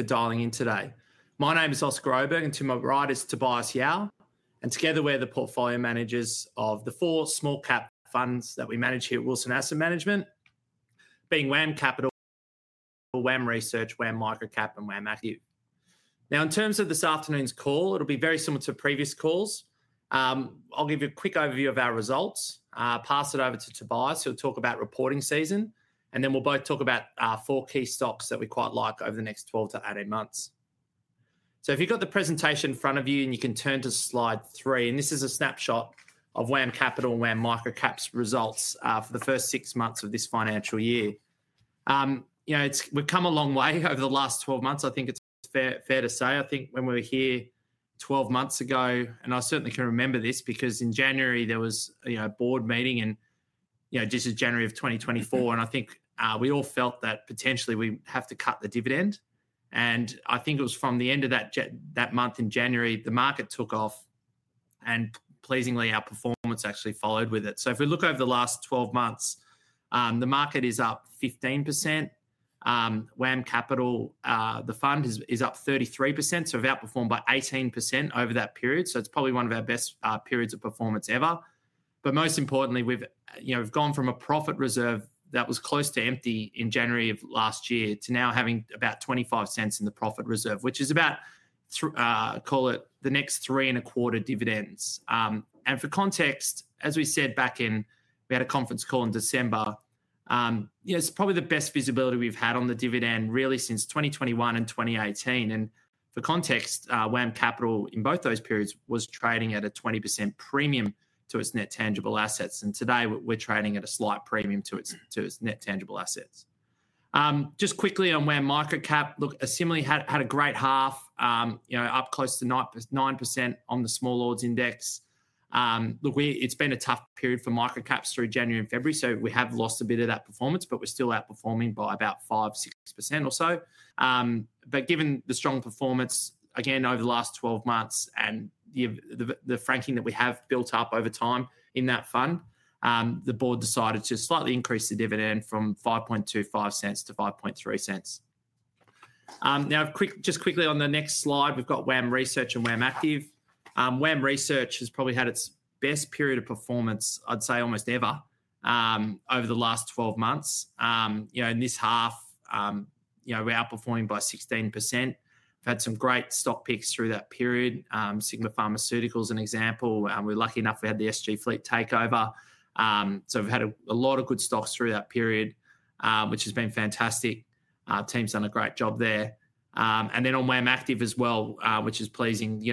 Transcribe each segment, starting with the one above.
For dialing in today. My name is Oscar Oberg, and to my right is Tobias Yao. Together we're the portfolio managers of the four small-cap funds that we manage here at Wilson Asset Management, being WAM Capital, WAM Research, WAM Microcap, and WAM Active. In terms of this afternoon's call, it'll be very similar to previous calls. I'll give you a quick overview of our results, pass it over to Tobias, who'll talk about reporting season, and then we'll both talk about four key stocks that we quite like over the next 12-18 months. If you've got the presentation in front of you, and you can turn to slide three, this is a snapshot of WAM Capital and WAM Microcap's results for the first six months of this financial year. We've come a long way over the last 12 months, I think it's fair to say. I think when we were here 12 months ago, and I certainly can remember this because in January there was a board meeting, and this is January of 2024, and I think we all felt that potentially we have to cut the dividend. I think it was from the end of that month in January, the market took off, and pleasingly, our performance actually followed with it. If we look over the last 12 months, the market is up 15%. WAM Capital, the fund, is up 33%, so we've outperformed by 18% over that period. It's probably one of our best periods of performance ever. Most importantly, we've gone from a profit reserve that was close to empty in January of last year to now having about 0.25 in the profit reserve, which is about, call it, the next three and a quarter dividends. For context, as we said back in, we had a conference call in December, it's probably the best visibility we've had on the dividend really since 2021 and 2018. For context, WAM Capital in both those periods was trading at a 20% premium to its net tangible assets. Today we're trading at a slight premium to its net tangible assets. Just quickly on WAM Microcap, look, assimilated, had a great half, up close to 9% on the small orders index. Look, it's been a tough period for Microcaps through January and February, so we have lost a bit of that performance, but we're still outperforming by about 5%-6% or so. Given the strong performance, again, over the last 12 months and the franking that we have built up over time in that fund, the board decided to slightly increase the dividend from 0.0525-0.053. Now, just quickly on the next slide, we've got WAM Research and WAM Active. WAM Research has probably had its best period of performance, I'd say almost ever, over the last 12 months. In this half, we're outperforming by 16%. We've had some great stock picks through that period. Sigma Pharmaceuticals, is an example. We're lucky enough we had the SG Fleet takeover. We've had a lot of good stocks through that period, which has been fantastic. Our team's done a great job there. On WAM Active as well, which is pleasing.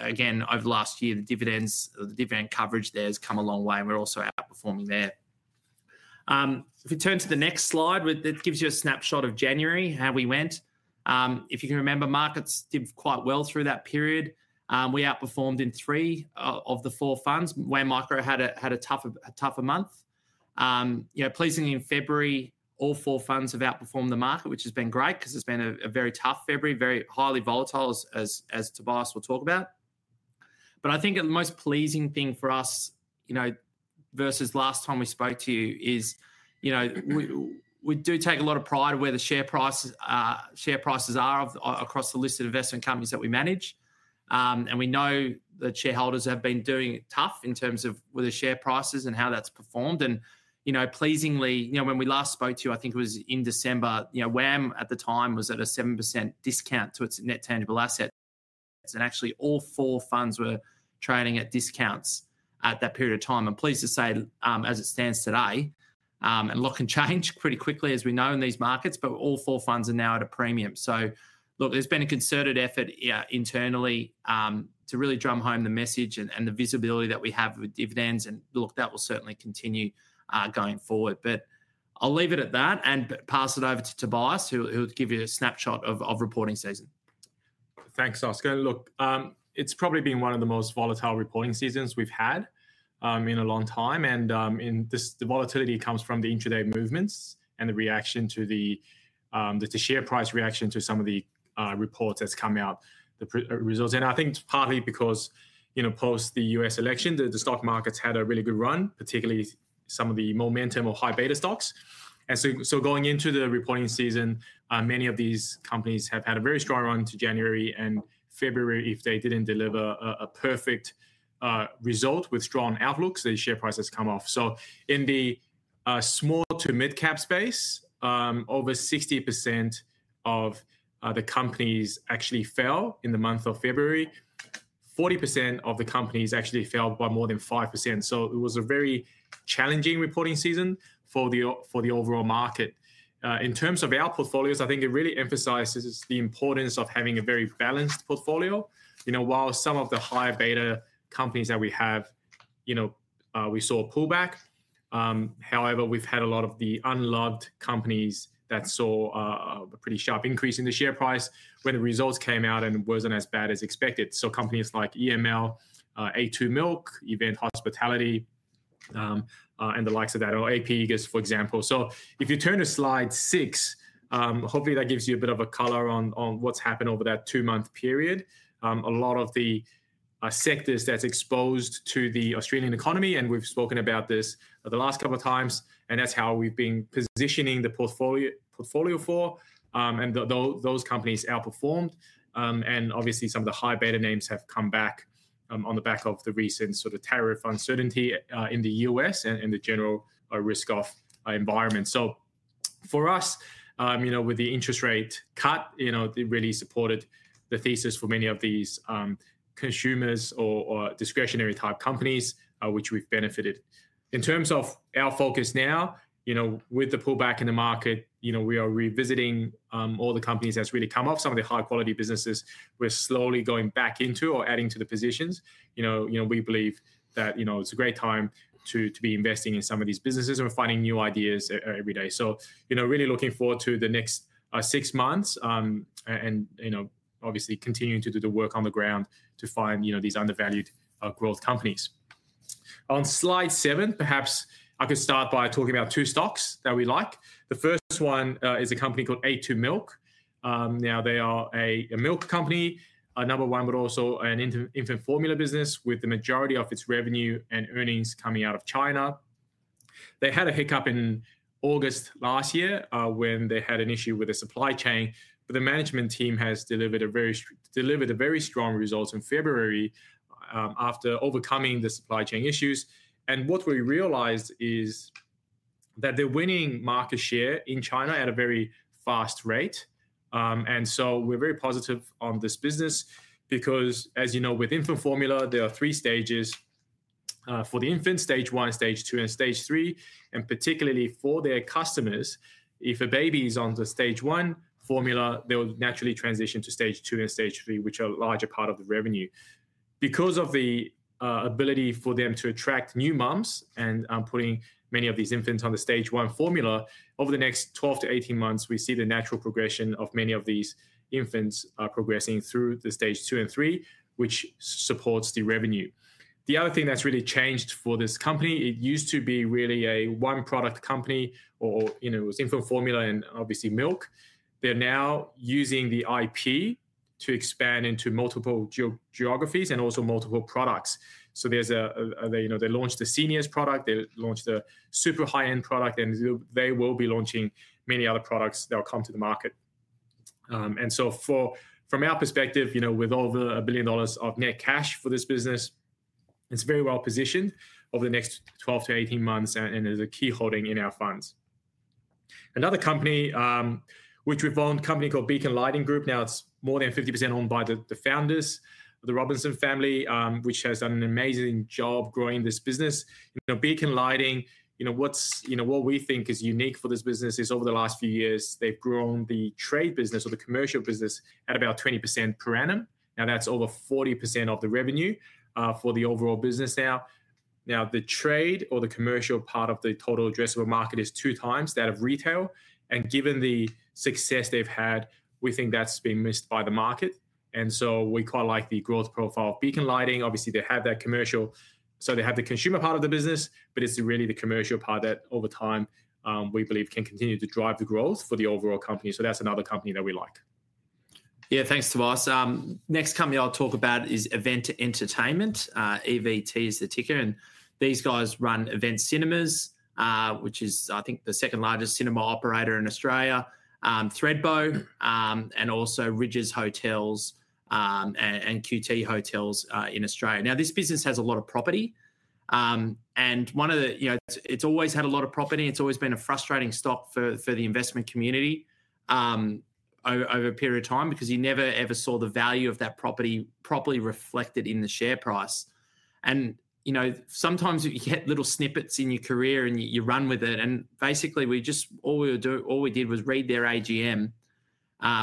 Again, over the last year, the dividend coverage there has come a long way, and we're also outperforming there. If we turn to the next slide, it gives you a snapshot of January, how we went. If you can remember, markets did quite well through that period. We outperformed in three of the four funds. WAM Micro had a tougher month. Pleasingly, in February, all four funds have outperformed the market, which has been great because it's been a very tough February, very highly volatile, as Tobias will talk about. I think the most pleasing thing for us versus last time we spoke to you is we do take a lot of pride in where the share prices are across the listed investment companies that we manage. We know that shareholders have been doing tough in terms of where the share price is and how that's performed. Pleasingly, when we last spoke to you, I think it was in December, WAM at the time was at a 7% discount to its net tangible assets. Actually, all four funds were trading at discounts at that period of time. Pleased to say, as it stands today, luck can change pretty quickly, as we know in these markets, but all four funds are now at a premium. There has been a concerted effort internally to really drum home the message and the visibility that we have with dividends. That will certainly continue going forward. I'll leave it at that and pass it over to Tobias, who'll give you a snapshot of reporting season. Thanks, Oscar. Look, it's probably been one of the most volatile reporting seasons we've had in a long time. The volatility comes from the intraday movements and the reaction to the share price reaction to some of the reports that's come out, the results. I think it's partly because post the U.S. election, the stock markets had a really good run, particularly some of the momentum or high beta stocks. Going into the reporting season, many of these companies have had a very strong run to January and February, if they didn't deliver a perfect result with strong outlooks, the share prices come off. In the small to mid-cap space, over 60% of the companies actually fell in the month of February. 40% of the companies actually fell by more than 5%. It was a very challenging reporting season for the overall market. In terms of our portfolios, I think it really emphasizes the importance of having a very balanced portfolio. While some of the high beta companies that we have, we saw a pullback. However, we've had a lot of the unloved companies that saw a pretty sharp increase in the share price when the results came out and wasn't as bad as expected. Companies like EML, a2 Milk, Event Hospitality, and the likes of that, or AP Eagers, for example. If you turn to slide six, hopefully that gives you a bit of a color on what's happened over that two-month period. A lot of the sectors that's exposed to the Australian economy, and we've spoken about this the last couple of times, and that's how we've been positioning the portfolio for. Those companies outperformed. Obviously, some of the high beta names have come back on the back of the recent sort of tariff uncertainty in the U.S. and the general risk-off environment. For us, with the interest rate cut, it really supported the thesis for many of these consumer or discretionary-type companies, which we've benefited. In terms of our focus now, with the pullback in the market, we are revisiting all the companies that's really come off, some of the high-quality businesses we're slowly going back into or adding to the positions. We believe that it's a great time to be investing in some of these businesses and finding new ideas every day. Really looking forward to the next six months and obviously continuing to do the work on the ground to find these undervalued growth companies. On slide seven, perhaps I could start by talking about two stocks that we like. The first one is a company called a2 Milk. Now, they are a milk company, a number one, but also an infant formula business with the majority of its revenue and earnings coming out of China. They had a hiccup in August last year when they had an issue with the supply chain. The management team has delivered a very strong result in February after overcoming the supply chain issues. What we realized is that they're winning market share in China at a very fast rate. We are very positive on this business because, as you know, with infant formula, there are three stages for the infant: stage one, stage two, and stage three. Particularly for their customers, if a baby is on the stage one formula, they will naturally transition to stage two and stage three, which are a larger part of the revenue. Because of the ability for them to attract new mums and putting many of these infants on the stage one formula, over the next 12-18 months, we see the natural progression of many of these infants progressing through the stage two and three, which supports the revenue. The other thing that's really changed for this company, it used to be really a one-product company or it was infant formula and obviously milk. They're now using the IP to expand into multiple geographies and also multiple products. They launched the seniors product, they launched the super high-end product, and they will be launching many other products that will come to the market. From our perspective, with over 1 billion dollars of net cash for this business, it is very well positioned over the next 12-18 months and is a key holding in our funds. Another company, which we have owned, a company called Beacon Lighting Group, now it is more than 50% owned by the founders, the Robinson family, which has done an amazing job growing this business. Beacon Lighting, what we think is unique for this business is over the last few years, they have grown the trade business or the commercial business at about 20% per annum. Now, that is over 40% of the revenue for the overall business now. The trade or the commercial part of the total addressable market is two times that of retail. Given the success they have had, we think that has been missed by the market. We quite like the growth profile of Beacon Lighting. Obviously, they have that commercial, so they have the consumer part of the business, but it is really the commercial part that over time we believe can continue to drive the growth for the overall company. That is another company that we like. Yeah, thanks, Tobias. Next company I'll talk about is Event Hospitality & Entertainment. EVT is the ticker. These guys run Event Cinemas, which is, I think, the second largest cinema operator in Australia, Thredbo, and also Rydges Hotels and QT Hotels in Australia. Now, this business has a lot of property. It's always had a lot of property. It's always been a frustrating stock for the investment community over a period of time because you never ever saw the value of that property properly reflected in the share price. Sometimes you get little snippets in your career and you run with it. Basically, all we did was read their AGM,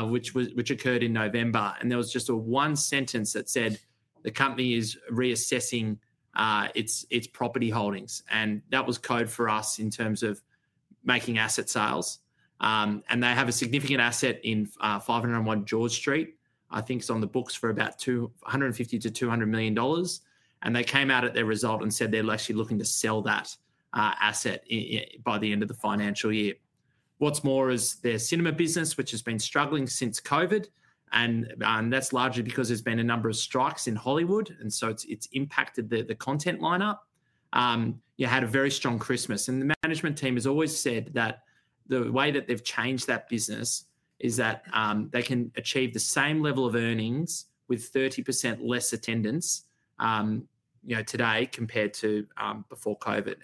which occurred in November. There was just one sentence that said, "The company is reassessing its property holdings." That was code for us in terms of making asset sales. They have a significant asset in 501 George Street. I think it is on the books for about 150 million-200 million dollars. They came out at their result and said they are actually looking to sell that asset by the end of the financial year. What is more is their cinema business, which has been struggling since COVID. That is largely because there have been a number of strikes in Hollywood, so it has impacted the content lineup. You had a very strong Christmas. The management team has always said that the way they have changed that business is that they can achieve the same level of earnings with 30% less attendance today compared to before COVID.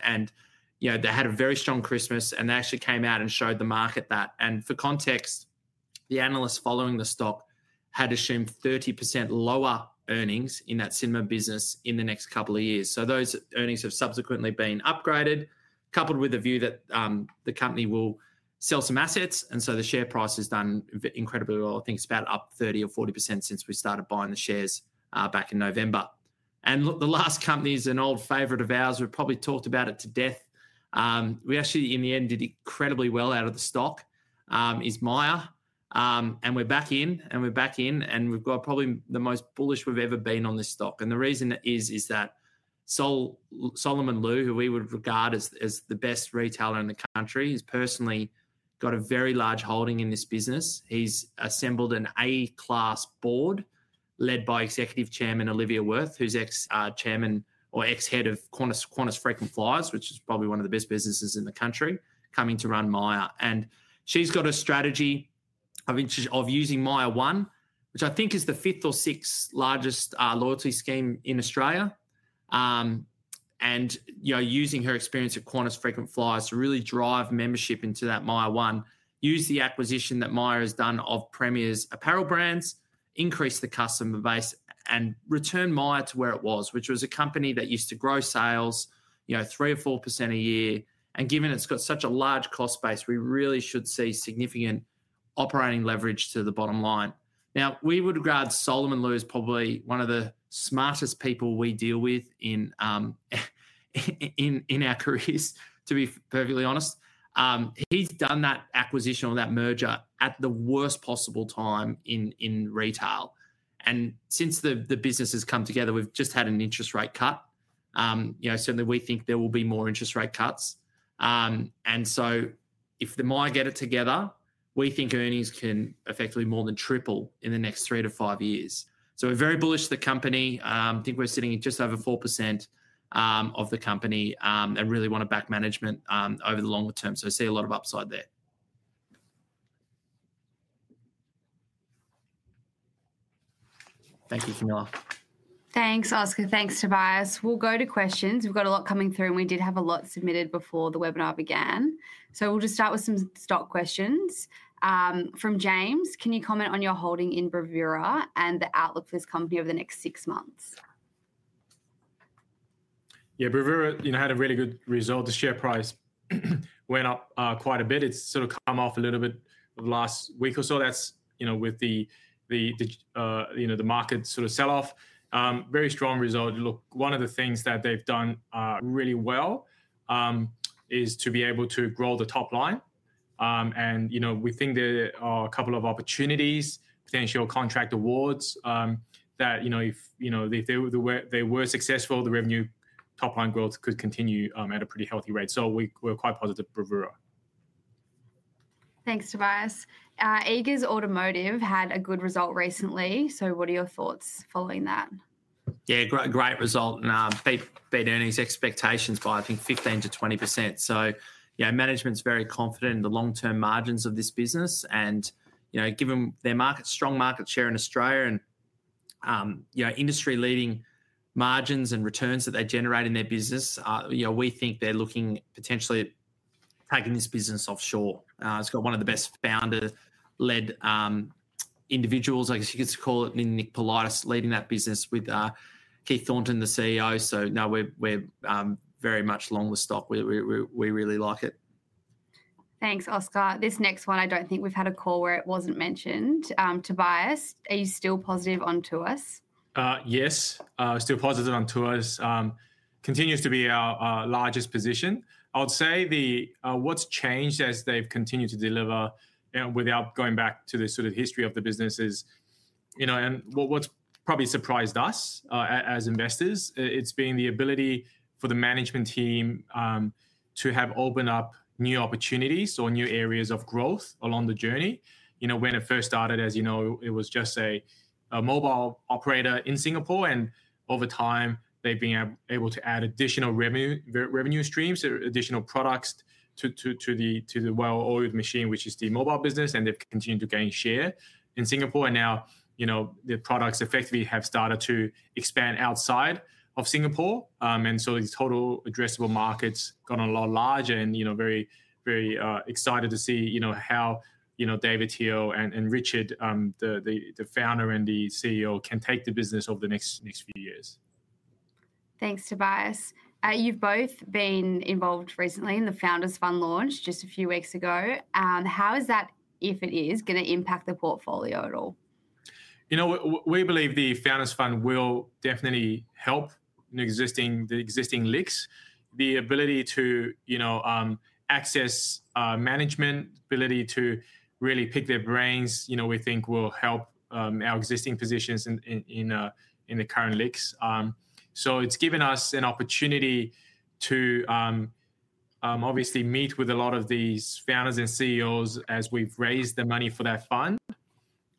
They had a very strong Christmas, and they actually came out and showed the market that. For context, the analysts following the stock had assumed 30% lower earnings in that cinema business in the next couple of years. Those earnings have subsequently been upgraded, coupled with the view that the company will sell some assets. The share price has done incredibly well. I think it is up about 30% or 40% since we started buying the shares back in November. The last company is an old favorite of ours. We have probably talked about it to death. We actually, in the end, did incredibly well out of the stock, is Myer. We are back in, and we are back in, and we have got probably the most bullish we have ever been on this stock. The reason is that Solomon Lew, who we would regard as the best retailer in the country, has personally got a very large holding in this business. He's assembled an A-class board led by Executive Chairman Olivia Wirth, who's ex-chairman or ex-head of Qantas Freight & Flyers, which is probably one of the best businesses in the country, coming to run Myer. She's got a strategy of using Myer one, which I think is the fifth or sixth largest loyalty scheme in Australia. Using her experience at Qantas Freight & Flyers to really drive membership into that Myer one, use the acquisition that Myer has done of Premier's apparel brands, increase the customer base, and return Myer to where it was, which was a company that used to grow sales 3% or 4% a year. Given it's got such a large cost base, we really should see significant operating leverage to the bottom line. Now, we would regard Solomon Lew as probably one of the smartest people we deal with in our careers, to be perfectly honest. He's done that acquisition or that merger at the worst possible time in retail. Since the business has come together, we've just had an interest rate cut. Certainly, we think there will be more interest rate cuts. If the Myer get it together, we think earnings can effectively more than triple in the next three to five years. We are very bullish on the company. I think we're sitting at just over 4% of the company and really want to back management over the longer term. I see a lot of upside there. Thank you, Camilla. Thanks, Oscar. Thanks, Tobias. We'll go to questions. We've got a lot coming through, and we did have a lot submitted before the webinar began. We will just start with some stock questions. From James, can you comment on your holding in Bravura and the outlook for this company over the next six months? Yeah, Bravura had a really good result. The share price went up quite a bit. It's sort of come off a little bit last week or so. That's with the market sort of sell-off. Very strong result. Look, one of the things that they've done really well is to be able to grow the top line. We think there are a couple of opportunities, potential contract awards that if they were successful, the revenue top line growth could continue at a pretty healthy rate. We're quite positive for Bravura. Thanks, Tobias. Aegis Automotive had a good result recently. What are your thoughts following that? Yeah, great result and beat earnings expectations by, I think, 15%-20%. Their management's very confident in the long-term margins of this business. Given their strong market share in Australia and industry-leading margins and returns that they generate in their business, we think they're looking potentially at taking this business offshore. It's got one of the best founder-led individuals, I guess you could call it, Nick Politis, leading that business with Keith Thornton, the CEO. No, we're very much along the stock. We really like it. Thanks, Oscar. This next one, I don't think we've had a call where it wasn't mentioned. Tobias, are you still positive on Tuas? Yes, still positive on Tuas. Continues to be our largest position. I would say what's changed as they've continued to deliver, without going back to the sort of history of the business, is what's probably surprised us as investors, it's been the ability for the management team to have opened up new opportunities or new areas of growth along the journey. When it first started, as you know, it was just a mobile operator in Singapore. Over time, they've been able to add additional revenue streams, additional products to the well-oiled machine, which is the mobile business. They've continued to gain share in Singapore. Now their products effectively have started to expand outside of Singapore. The total addressable market's gotten a lot larger. am very excited to see how David Teoh and Richard, the founder and the CEO, can take the business over the next few years. Thanks, Tobias. You've both been involved recently in the Founders Fund launch just a few weeks ago. How is that, if it is, going to impact the portfolio at all? We believe the Founders Fund will definitely help the existing LICs. The ability to access management, ability to really pick their brains, we think will help our existing positions in the current LICs. It has given us an opportunity to obviously meet with a lot of these founders and CEOs as we've raised the money for that fund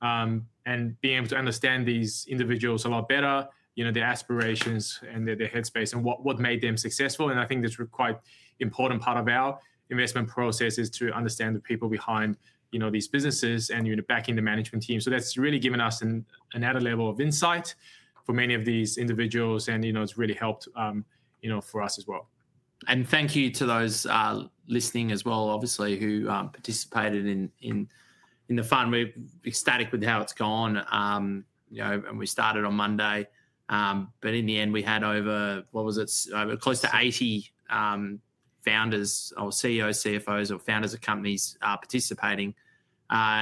and being able to understand these individuals a lot better, their aspirations and their headspace and what made them successful. I think this is a quite important part of our investment process is to understand the people behind these businesses and backing the management team. That has really given us another level of insight for many of these individuals. It has really helped for us as well. Thank you to those listening as well, obviously, who participated in the fund. We're ecstatic with how it's gone. We started on Monday. In the end, we had over, what was it, close to 80 founders or CEOs, CFOs, or founders of companies participating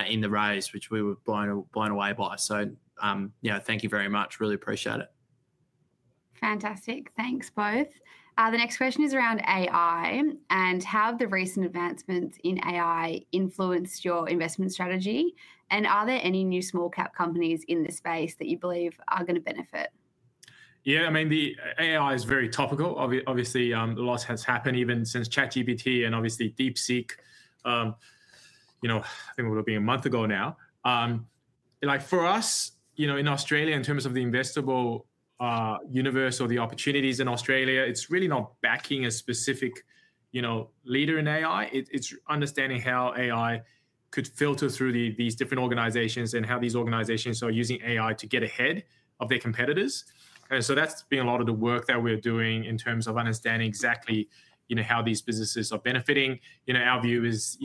in the raise, which we were blown away by. Thank you very much. Really appreciate it. Fantastic. Thanks, both. The next question is around AI and how have the recent advancements in AI influenced your investment strategy? Are there any new small-cap companies in this space that you believe are going to benefit? Yeah, I mean, the AI is very topical. Obviously, a lot has happened even since ChatGPT and obviously DeepSeek. I think it will be a month ago now. For us in Australia, in terms of the investable universe or the opportunities in Australia, it's really not backing a specific leader in AI. It's understanding how AI could filter through these different organizations and how these organizations are using AI to get ahead of their competitors. That has been a lot of the work that we're doing in terms of understanding exactly how these businesses are benefiting. Our view is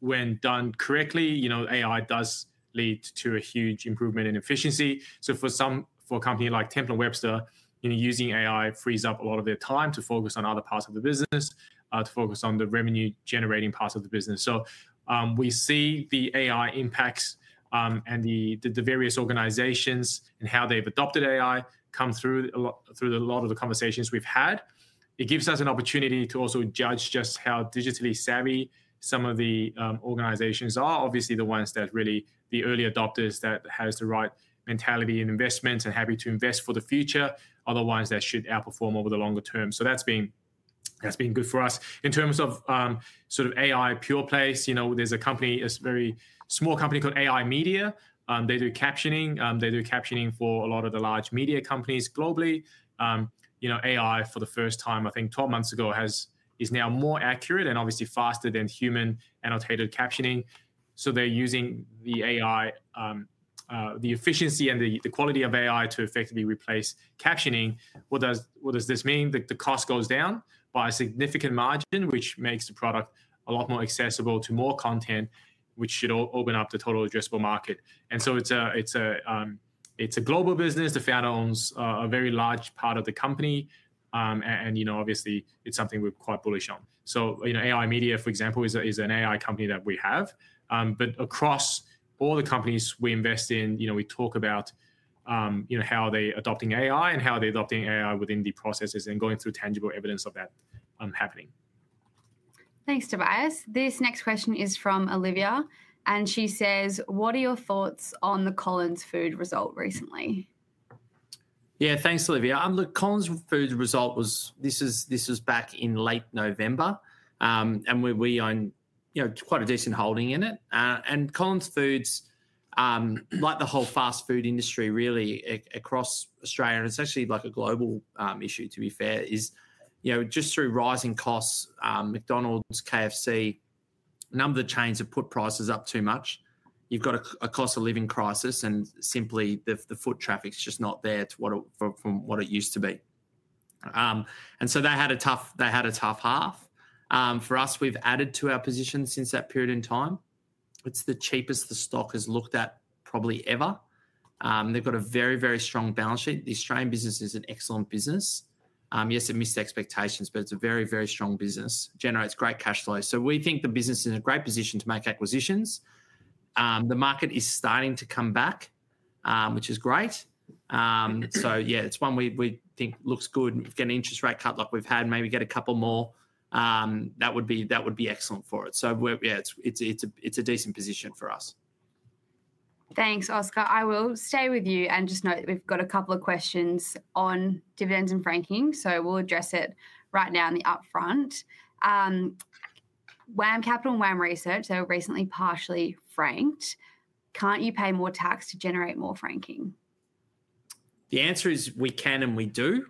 when done correctly, AI does lead to a huge improvement in efficiency. For a company like Temple & Webster, using AI frees up a lot of their time to focus on other parts of the business, to focus on the revenue-generating parts of the business. We see the AI impacts and the various organizations and how they've adopted AI come through a lot of the conversations we've had. It gives us an opportunity to also judge just how digitally savvy some of the organizations are. Obviously, the ones that really are the early adopters that have the right mentality and investment and are happy to invest for the future are the ones that should outperform over the longer term. That has been good for us. In terms of sort of AI pure plays, there's a company, a very small company called AI-Media. They do captioning. They do captioning for a lot of the large media companies globally. AI, for the first time, I think 12 months ago, is now more accurate and obviously faster than human-annotated captioning. They are using the efficiency and the quality of AI to effectively replace captioning. What does this mean? The cost goes down by a significant margin, which makes the product a lot more accessible to more content, which should open up the total addressable market. It is a global business. The founder owns a very large part of the company. Obviously, it is something we are quite bullish on. AI-Media, for example, is an AI company that we have. Across all the companies we invest in, we talk about how they are adopting AI and how they are adopting AI within the processes and going through tangible evidence of that happening. Thanks, Tobias. This next question is from Olivia. She says, what are your thoughts on the Collins Foods result recently? Yeah, thanks, Olivia. Look, Collins Foods result was this was back in late November. And we own quite a decent holding in it. And Collins Foods, like the whole fast food industry really across Australia, and it's actually like a global issue, to be fair, is just through rising costs, McDonald's, KFC, a number of the chains have put prices up too much. You've got a cost of living crisis. Simply, the foot traffic's just not there from what it used to be. They had a tough half. For us, we've added to our position since that period in time. It's the cheapest the stock has looked at probably ever. They've got a very, very strong balance sheet. The Australian business is an excellent business. Yes, it missed expectations, but it's a very, very strong business. It generates great cash flow. We think the business is in a great position to make acquisitions. The market is starting to come back, which is great. Yeah, it's one we think looks good. Get an interest rate cut like we've had, maybe get a couple more. That would be excellent for it. Yeah, it's a decent position for us. Thanks, Oscar. I will stay with you and just note that we've got a couple of questions on dividends and franking. We will address it right now in the upfront. WAM Capital and WAM Research, they were recently partially franked. Can't you pay more tax to generate more franking? The answer is we can and we do.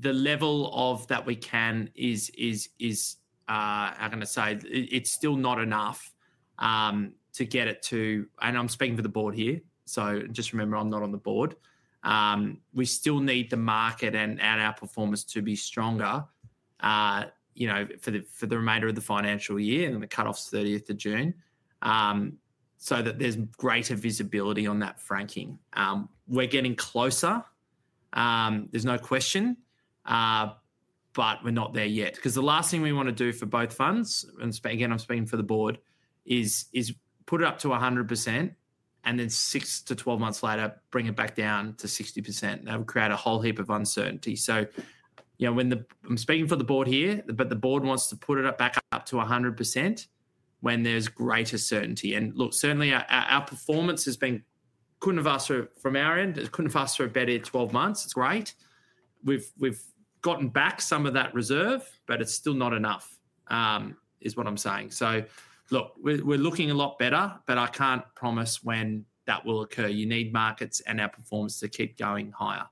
The level of that we can is, I'm going to say, it's still not enough to get it to, and I'm speaking for the board here. Just remember, I'm not on the board. We still need the market and our performance to be stronger for the remainder of the financial year and the cutoff is 30th of June so that there's greater visibility on that franking. We're getting closer. There's no question. We're not there yet. The last thing we want to do for both funds, and again, I'm speaking for the board, is put it up to 100% and then 6-12 months later, bring it back down to 60%. That would create a whole heap of uncertainty. I'm speaking for the board here, but the board wants to put it back up to 100% when there's greater certainty. Certainly, our performance has been couldn't have asked for it from our end. It couldn't have asked for it better in 12 months. It's great. We've gotten back some of that reserve, but it's still not enough, is what I'm saying. We're looking a lot better, but I can't promise when that will occur. You need markets and our performance to keep going higher.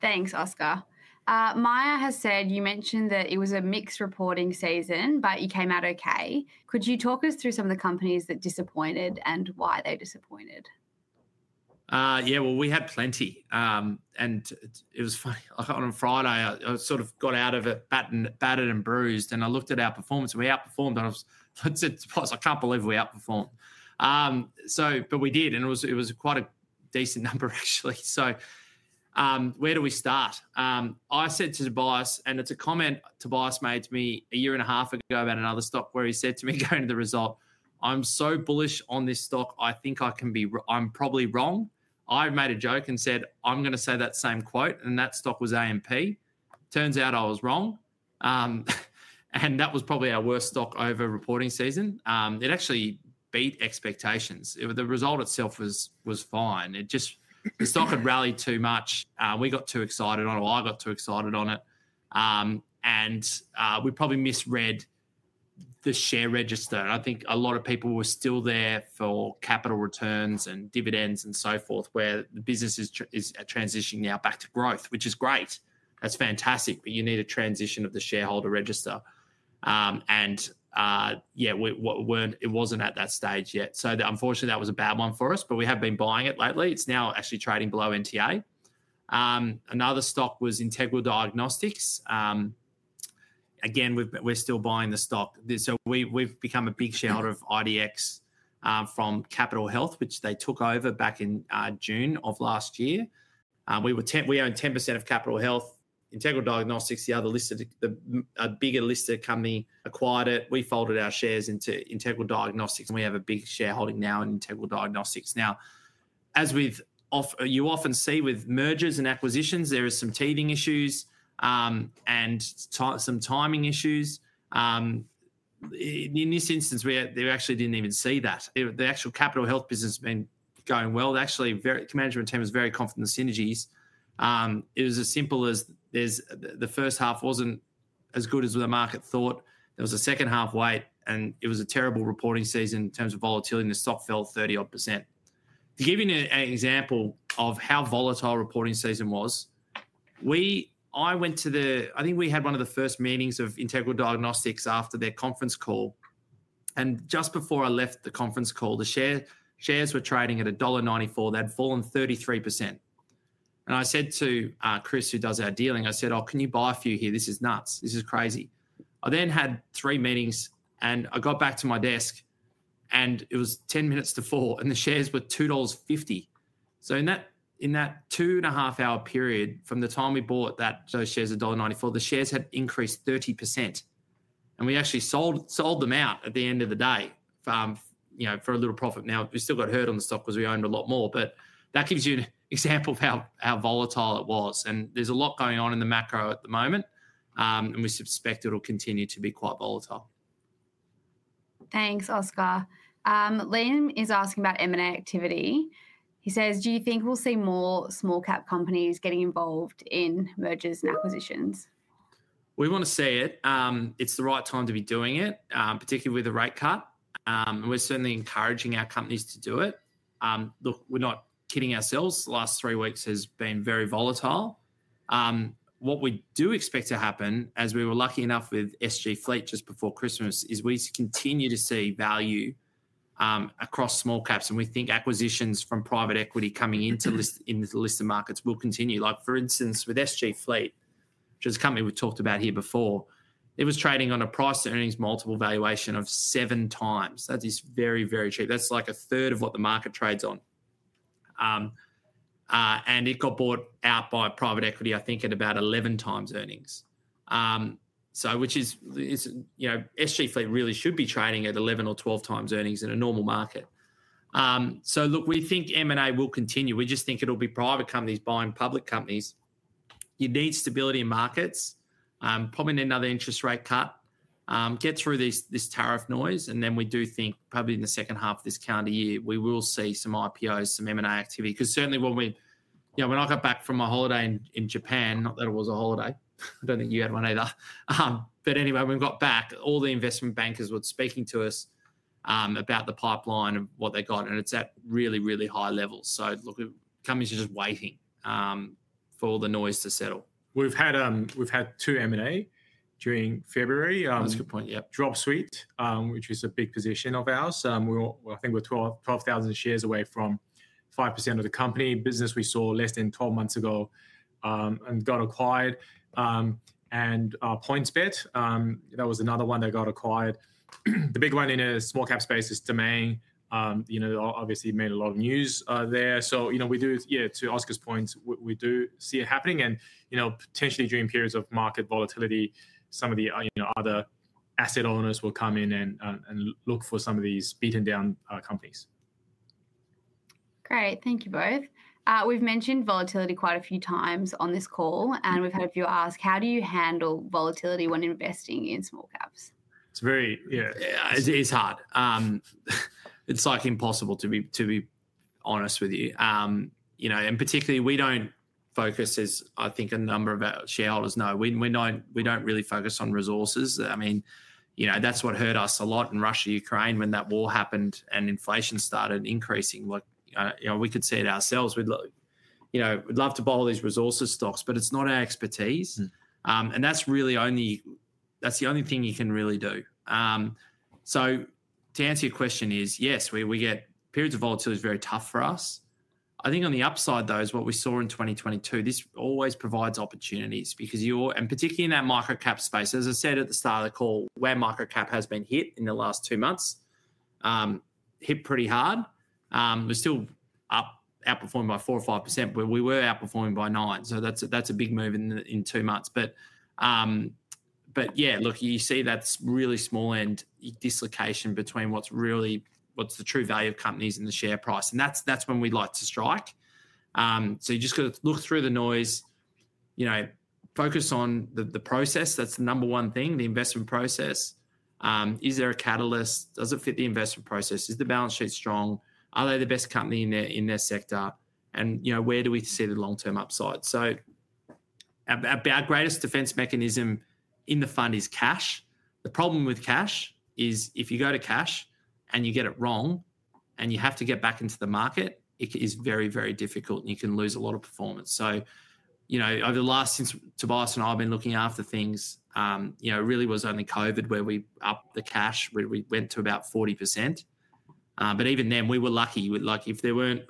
Thanks, Oscar. MayaZ has said you mentioned that it was a mixed reporting season, but you came out OK. Could you talk us through some of the companies that disappointed and why they disappointed? Yeah, we had plenty. It was funny. On Friday, I sort of got out of it battered and bruised. I looked at our performance. We outperformed. I was surprised. I can't believe we outperformed. We did. It was quite a decent number, actually. Where do we start? I said to Tobias, and it's a comment Tobias made to me a year and a half ago about another stock where he said to me going to the result, I'm so bullish on this stock. I think I'm probably wrong. I made a joke and said, I'm going to say that same quote. That stock was AMP. Turns out I was wrong. That was probably our worst stock over reporting season. It actually beat expectations. The result itself was fine. The stock had rallied too much. We got too excited on it. I got too excited on it. We probably misread the share register. I think a lot of people were still there for capital returns and dividends and so forth, where the business is transitioning now back to growth, which is great. That's fantastic. You need a transition of the shareholder register. It was not at that stage yet. Unfortunately, that was a bad one for us. We have been buying it lately. It is now actually trading below NTA. Another stock was Integral Diagnostics. Again, we are still buying the stock. We have become a big shareholder of IDX from Capitol Health, which they took over back in June of last year. We own 10% of Capitol Health. Integral Diagnostics, the other listed, a bigger listed company, acquired it. We folded our shares into Integral Diagnostics. We have a big shareholding now in Integral Diagnostics. Now, you often see with mergers and acquisitions, there are some teething issues and some timing issues. In this instance, we actually did not even see that. The actual Capitol Health business has been going well. Actually, management team was very confident in the synergies. It was as simple as the first half was not as good as the market thought. There was a second half wait. It was a terrible reporting season in terms of volatility. The stock fell 30-odd %. To give you an example of how volatile reporting season was, I went to the I think we had one of the first meetings of Integral Diagnostics after their conference call. Just before I left the conference call, the shares were trading at AUD 1.94. They had fallen 33%. I said to Chris, who does our dealing, I said, oh, can you buy a few here? This is nuts. This is crazy. I then had three meetings. I got back to my desk, and it was 10 minutes to 4:00, and the shares were 2.50 dollars. In that two-and-a-half-hour period from the time we bought those shares at dollar 1.94, the shares had increased 30%. We actually sold them out at the end of the day for a little profit. We still got hurt on the stock because we owned a lot more. That gives you an example of how volatile it was. There is a lot going on in the macro at the moment. We suspect it will continue to be quite volatile. Thanks, Oscar. Liam is asking about M&A activity. He says, do you think we'll see more small-cap companies getting involved in mergers and acquisitions? We want to see it. It's the right time to be doing it, particularly with the rate cut. We're certainly encouraging our companies to do it. Look, we're not kidding ourselves. The last three weeks has been very volatile. What we do expect to happen, as we were lucky enough with SG Fleet just before Christmas, is we continue to see value across small caps. We think acquisitions from private equity coming into the listed markets will continue. Like, for instance, with SG Fleet, which is a company we've talked about here before, it was trading on a price-to-earnings multiple valuation of seven times. That is very, very cheap. That's like a third of what the market trades on. It got bought out by private equity, I think, at about 11 times earnings, which is SG Fleet really should be trading at 11 or 12 times earnings in a normal market. Look, we think M&A will continue. We just think it'll be private companies buying public companies. You need stability in markets. Probably another interest rate cut. Get through this tariff noise. We do think probably in the second half of this calendar year, we will see some IPOs, some M&A activity. Because certainly, when I got back from my holiday in Japan, not that it was a holiday. I do not think you had one either. Anyway, when we got back, all the investment bankers were speaking to us about the pipeline of what they got. It is at really, really high levels. Look, companies are just waiting for all the noise to settle. We've had two M&A during February. That's a good point. Yeah. Dropsuite, which is a big position of ours. I think we're 12,000 shares away from 5% of the company. Business we saw less than 12 months ago and got acquired. And PointsBet, that was another one that got acquired. The big one in a small-cap space is Domain. Obviously, made a lot of news there. Yeah, to Oscar's point, we do see it happening. Potentially, during periods of market volatility, some of the other asset owners will come in and look for some of these beaten-down companies. Great. Thank you both. We've mentioned volatility quite a few times on this call. We've had a few ask, how do you handle volatility when investing in small caps? Yeah, it's hard. It's like impossible, to be honest with you. Particularly, we don't focus, as I think a number of our shareholders know, we don't really focus on resources. I mean, that's what hurt us a lot in Russia, Ukraine, when that war happened and inflation started increasing. We could see it ourselves. We'd love to buy all these resources stocks, but it's not our expertise. That's really the only thing you can really do. To answer your question, yes, we get periods of volatility. It's very tough for us. I think on the upside, though, is what we saw in 2022. This always provides opportunities. Particularly in that microcap space, as I said at the start of the call, where microcap has been hit in the last two months, hit pretty hard. We're still outperforming by 4% or 5%, where we were outperforming by 9%. That's a big move in two months. Yeah, look, you see that really small-end dislocation between what's the true value of companies and the share price. That's when we like to strike. You just got to look through the noise, focus on the process. That's the number one thing, the investment process. Is there a catalyst? Does it fit the investment process? Is the balance sheet strong? Are they the best company in their sector? Where do we see the long-term upside? Our greatest defense mechanism in the fund is cash. The problem with cash is if you go to cash and you get it wrong and you have to get back into the market, it is very, very difficult. You can lose a lot of performance. Over the last, since Tobias and I have been looking after things, it really was only COVID where we upped the cash. We went to about 40%. If there were not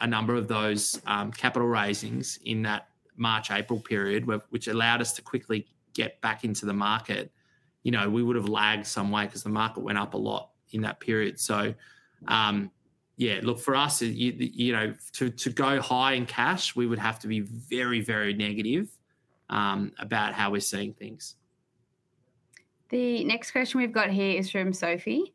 a number of those capital raisings in that March-April period, which allowed us to quickly get back into the market, we would have lagged some way because the market went up a lot in that period. Yeah, look, for us, to go high in cash, we would have to be very, very negative about how we are seeing things. The next question we've got here is from Sophie.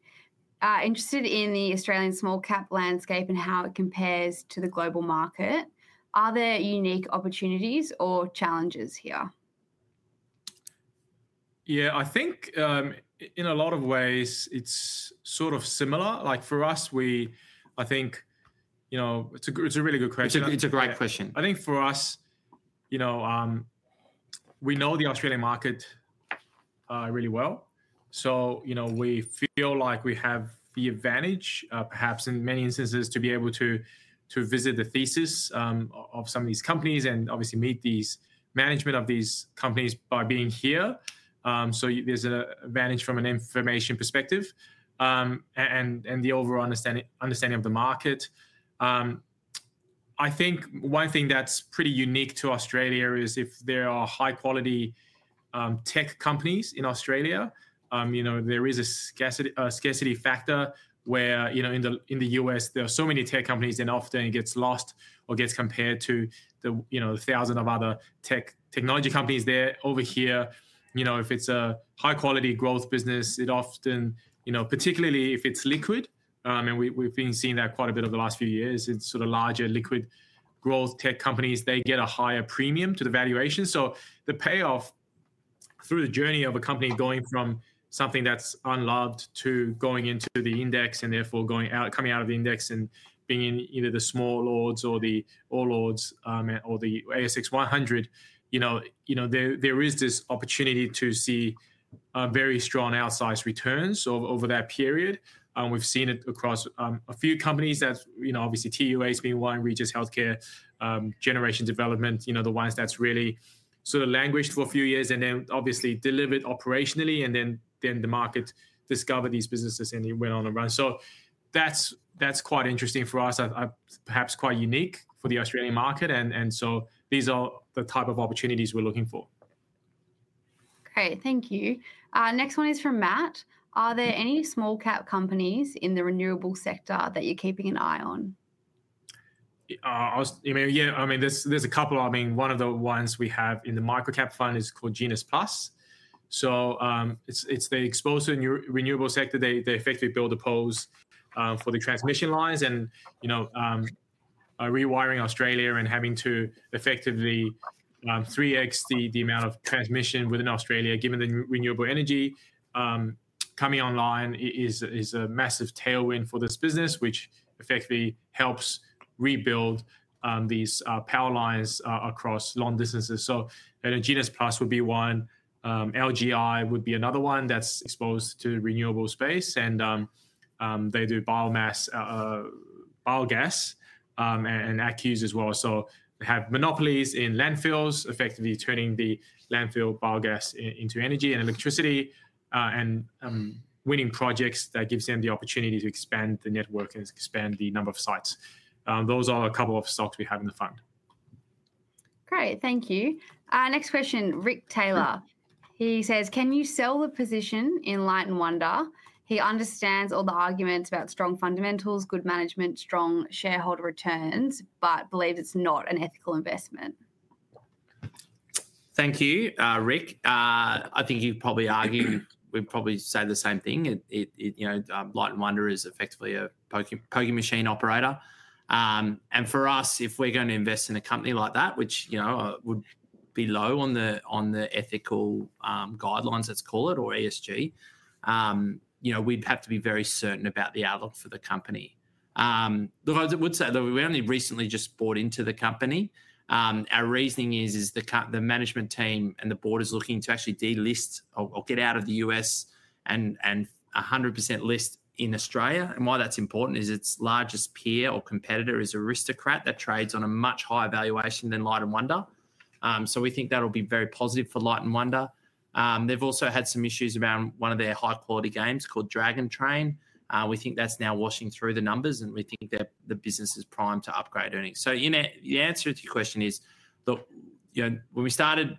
Interested in the Australian Small-Cap Landscape and how it compares to the global market. Are there unique opportunities or challenges here? Yeah, I think in a lot of ways, it's sort of similar. Like for us, I think it's a really good question. It's a great question. I think for us, we know the Australian Market really well. We feel like we have the advantage, perhaps in many instances, to be able to visit the thesis of some of these companies and obviously meet the management of these companies by being here. There is an advantage from an information perspective and the overall understanding of the market. I think one thing that's pretty unique to Australia is if there are high-quality tech companies in Australia, there is a scarcity factor where in the U.S., there are so many tech companies and often it gets lost or gets compared to the thousands of other tech technology companies there. Over here, if it's a high-quality growth business, it often, particularly if it's liquid, and we've been seeing that quite a bit over the last few years, it's sort of larger liquid growth tech companies, they get a higher premium to the valuation. The payoff through the journey of a company going from something that's unloved to going into the index and therefore coming out of the index and being in either the small ords or the all ords or the ASX 100, there is this opportunity to see very strong outsized returns over that period. We've seen it across a few companies. Obviously, TUA has been one. Regis Healthcare, Generation Development, the ones that really sort of languished for a few years and then obviously delivered operationally. The market discovered these businesses and it went on a run. That's quite interesting for us, perhaps quite unique for the Australian market. These are the type of opportunities we're looking for. Great. Thank you. Next one is from Matt. Are there any small-cap companies in the renewable sector that you're keeping an eye on? Yeah, I mean, there's a couple. I mean, one of the ones we have in the microcap fund is called GenusPlus. So it's the exposure renewable sector. They effectively build the poles for the transmission lines. Rewiring Australia and having to effectively 3x the amount of transmission within Australia, given the renewable energy coming online, is a massive tailwind for this business, which effectively helps rebuild these power lines across long distances. GenusPlus would be one. LGI would be another one that's exposed to renewable space. They do biomass, biogas, and ACCUs as well. They have monopolies in landfills, effectively turning the landfill biogas into energy and electricity and winning projects that gives them the opportunity to expand the network and expand the number of sites. Those are a couple of stocks we have in the fund. Great. Thank you. Next question, Rick Taylor. He says, can you sell the position in Light & Wonder? He understands all the arguments about strong fundamentals, good management, strong shareholder returns, but believes it's not an ethical investment. Thank you, Rick. I think you'd probably argue we'd probably say the same thing. Light & Wonder is effectively a pokie machine operator. For us, if we're going to invest in a company like that, which would be low on the ethical guidelines, let's call it, or ESG, we'd have to be very certain about the outlook for the company. I would say that we only recently just bought into the company. Our reasoning is the management team and the board is looking to actually delist or get out of the U.S. and 100% list in Australia. Why that's important is its largest peer or competitor is Aristocrat that trades on a much higher valuation than Light & Wonder. We think that'll be very positive for Light & Wonder. They've also had some issues around one of their high-quality games called Dragon Train. We think that's now washing through the numbers. We think that the business is primed to upgrade earnings. The answer to your question is, look, when we started,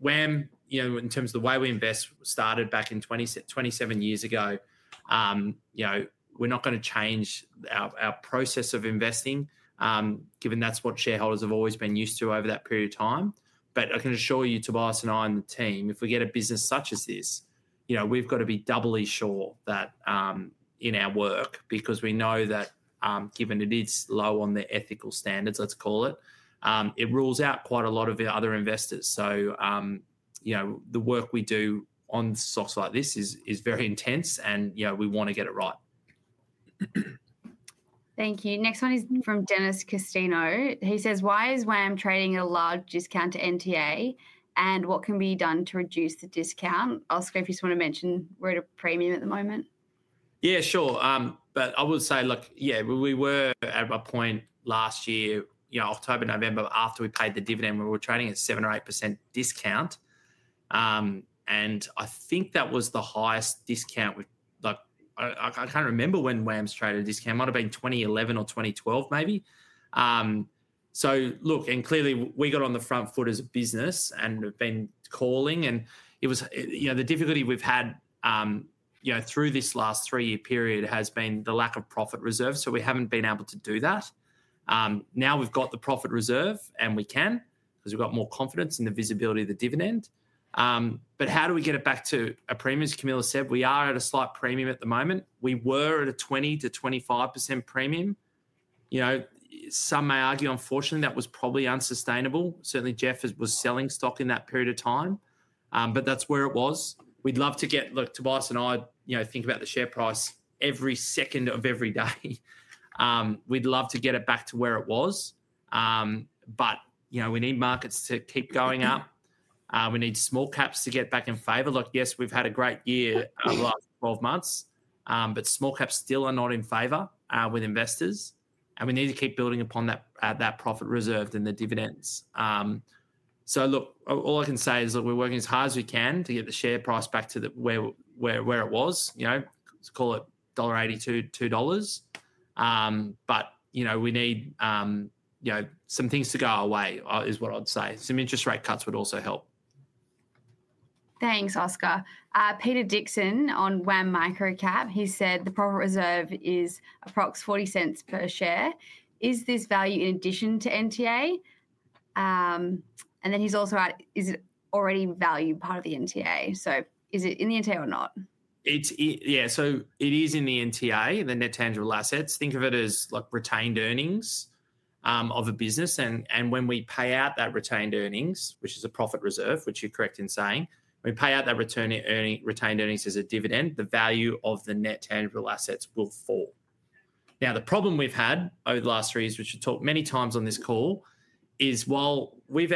when in terms of the way we invest started back 27 years ago, we're not going to change our process of investing, given that's what shareholders have always been used to over that period of time. I can assure you, Tobias and I and the team, if we get a business such as this, we've got to be doubly sure in our work. We know that given it is low on the ethical standards, let's call it, it rules out quite a lot of the other investors. The work we do on stocks like this is very intense. We want to get it right. Thank you. Next one is from Dennis Castino. He says, why is WAM Microcap trading at a large discount to NTA? And what can be done to reduce the discount? Oscar, if you just want to mention, we're at a premium at the moment. Yeah, sure. I would say, look, we were at a point last year, October, November, after we paid the dividend, we were trading at 7% or 8% discount. I think that was the highest discount. I can't remember when WAM's traded at this discount. It might have been 2011 or 2012, maybe. Clearly, we got on the front foot as a business and have been calling. The difficulty we've had through this last three-year period has been the lack of profit reserve. We haven't been able to do that. Now we've got the profit reserve, and we can, because we've got more confidence in the visibility of the dividend. How do we get it back to a premium? As Camilla said, we are at a slight premium at the moment. We were at a 20%-25% premium. Some may argue, unfortunately, that was probably unsustainable. Certainly, Jeff was selling stock in that period of time. That is where it was. We'd love to get, look, Tobias and I think about the share price every second of every day. We'd love to get it back to where it was. We need markets to keep going up. We need small caps to get back in favor. Look, yes, we've had a great year over the last 12 months. Small caps still are not in favor with investors. We need to keep building upon that profit reserve and the dividends. All I can say is we're working as hard as we can to get the share price back to where it was. Let's call it 1.82 dollars. We need some things to go our way, is what I'd say. Some interest rate cuts would also help. Thanks, Oscar. Peter Dixon on WAM Microcap, he said the profit reserve is approximately 0.40 per share. Is this value in addition to NTA? He has also asked, is it already valued as part of the NTA? Is it in the NTA or not? Yeah, so it is in the NTA, the net tangible assets. Think of it as retained earnings of a business. When we pay out that retained earnings, which is a profit reserve, which you're correct in saying, when we pay out that retained earnings as a dividend, the value of the net tangible assets will fall. The problem we've had over the last three years, which we've talked many times on this call, is while we've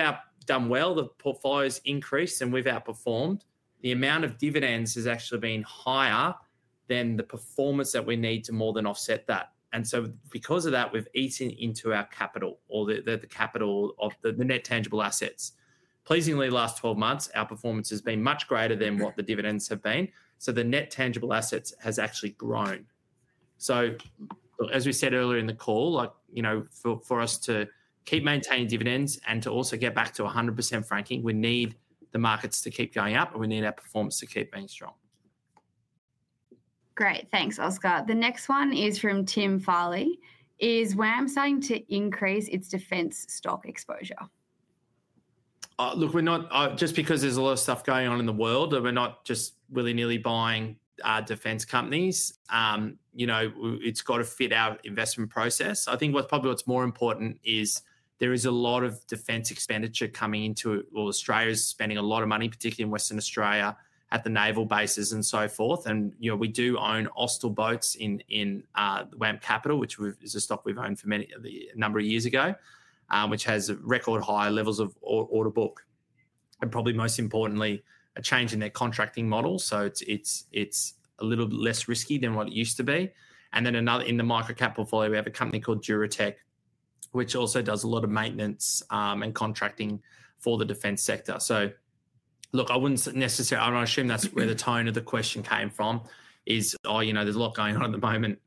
done well, the portfolio has increased, and we've outperformed, the amount of dividends has actually been higher than the performance that we need to more than offset that. Because of that, we've eaten into our capital, or the capital of the net tangible assets. Pleasingly, the last 12 months, our performance has been much greater than what the dividends have been. The net tangible assets has actually grown. As we said earlier in the call, for us to keep maintaining dividends and to also get back to 100% franking, we need the markets to keep going up, and we need our performance to keep being strong. Great. Thanks, Oscar. The next one is from Tim Farley. Is WAM starting to increase its defense stock exposure? Look, just because there's a lot of stuff going on in the world, we're not just willy-nilly buying defense companies. It's got to fit our investment process. I think probably what's more important is there is a lot of defense expenditure coming into it. Australia is spending a lot of money, particularly in Western Australia, at the naval bases and so forth. We do own Austal books in WAM Capital, which is a stock we've owned for a number of years, which has record high levels of order book. Probably most importantly, a change in their contracting model. So it's a little bit less risky than what it used to be. In the microcap portfolio, we have a company called DuraTech, which also does a lot of maintenance and contracting for the defense sector. I wouldn't necessarily assume that's where the tone of the question came from, is, oh, there's a lot going on at the moment.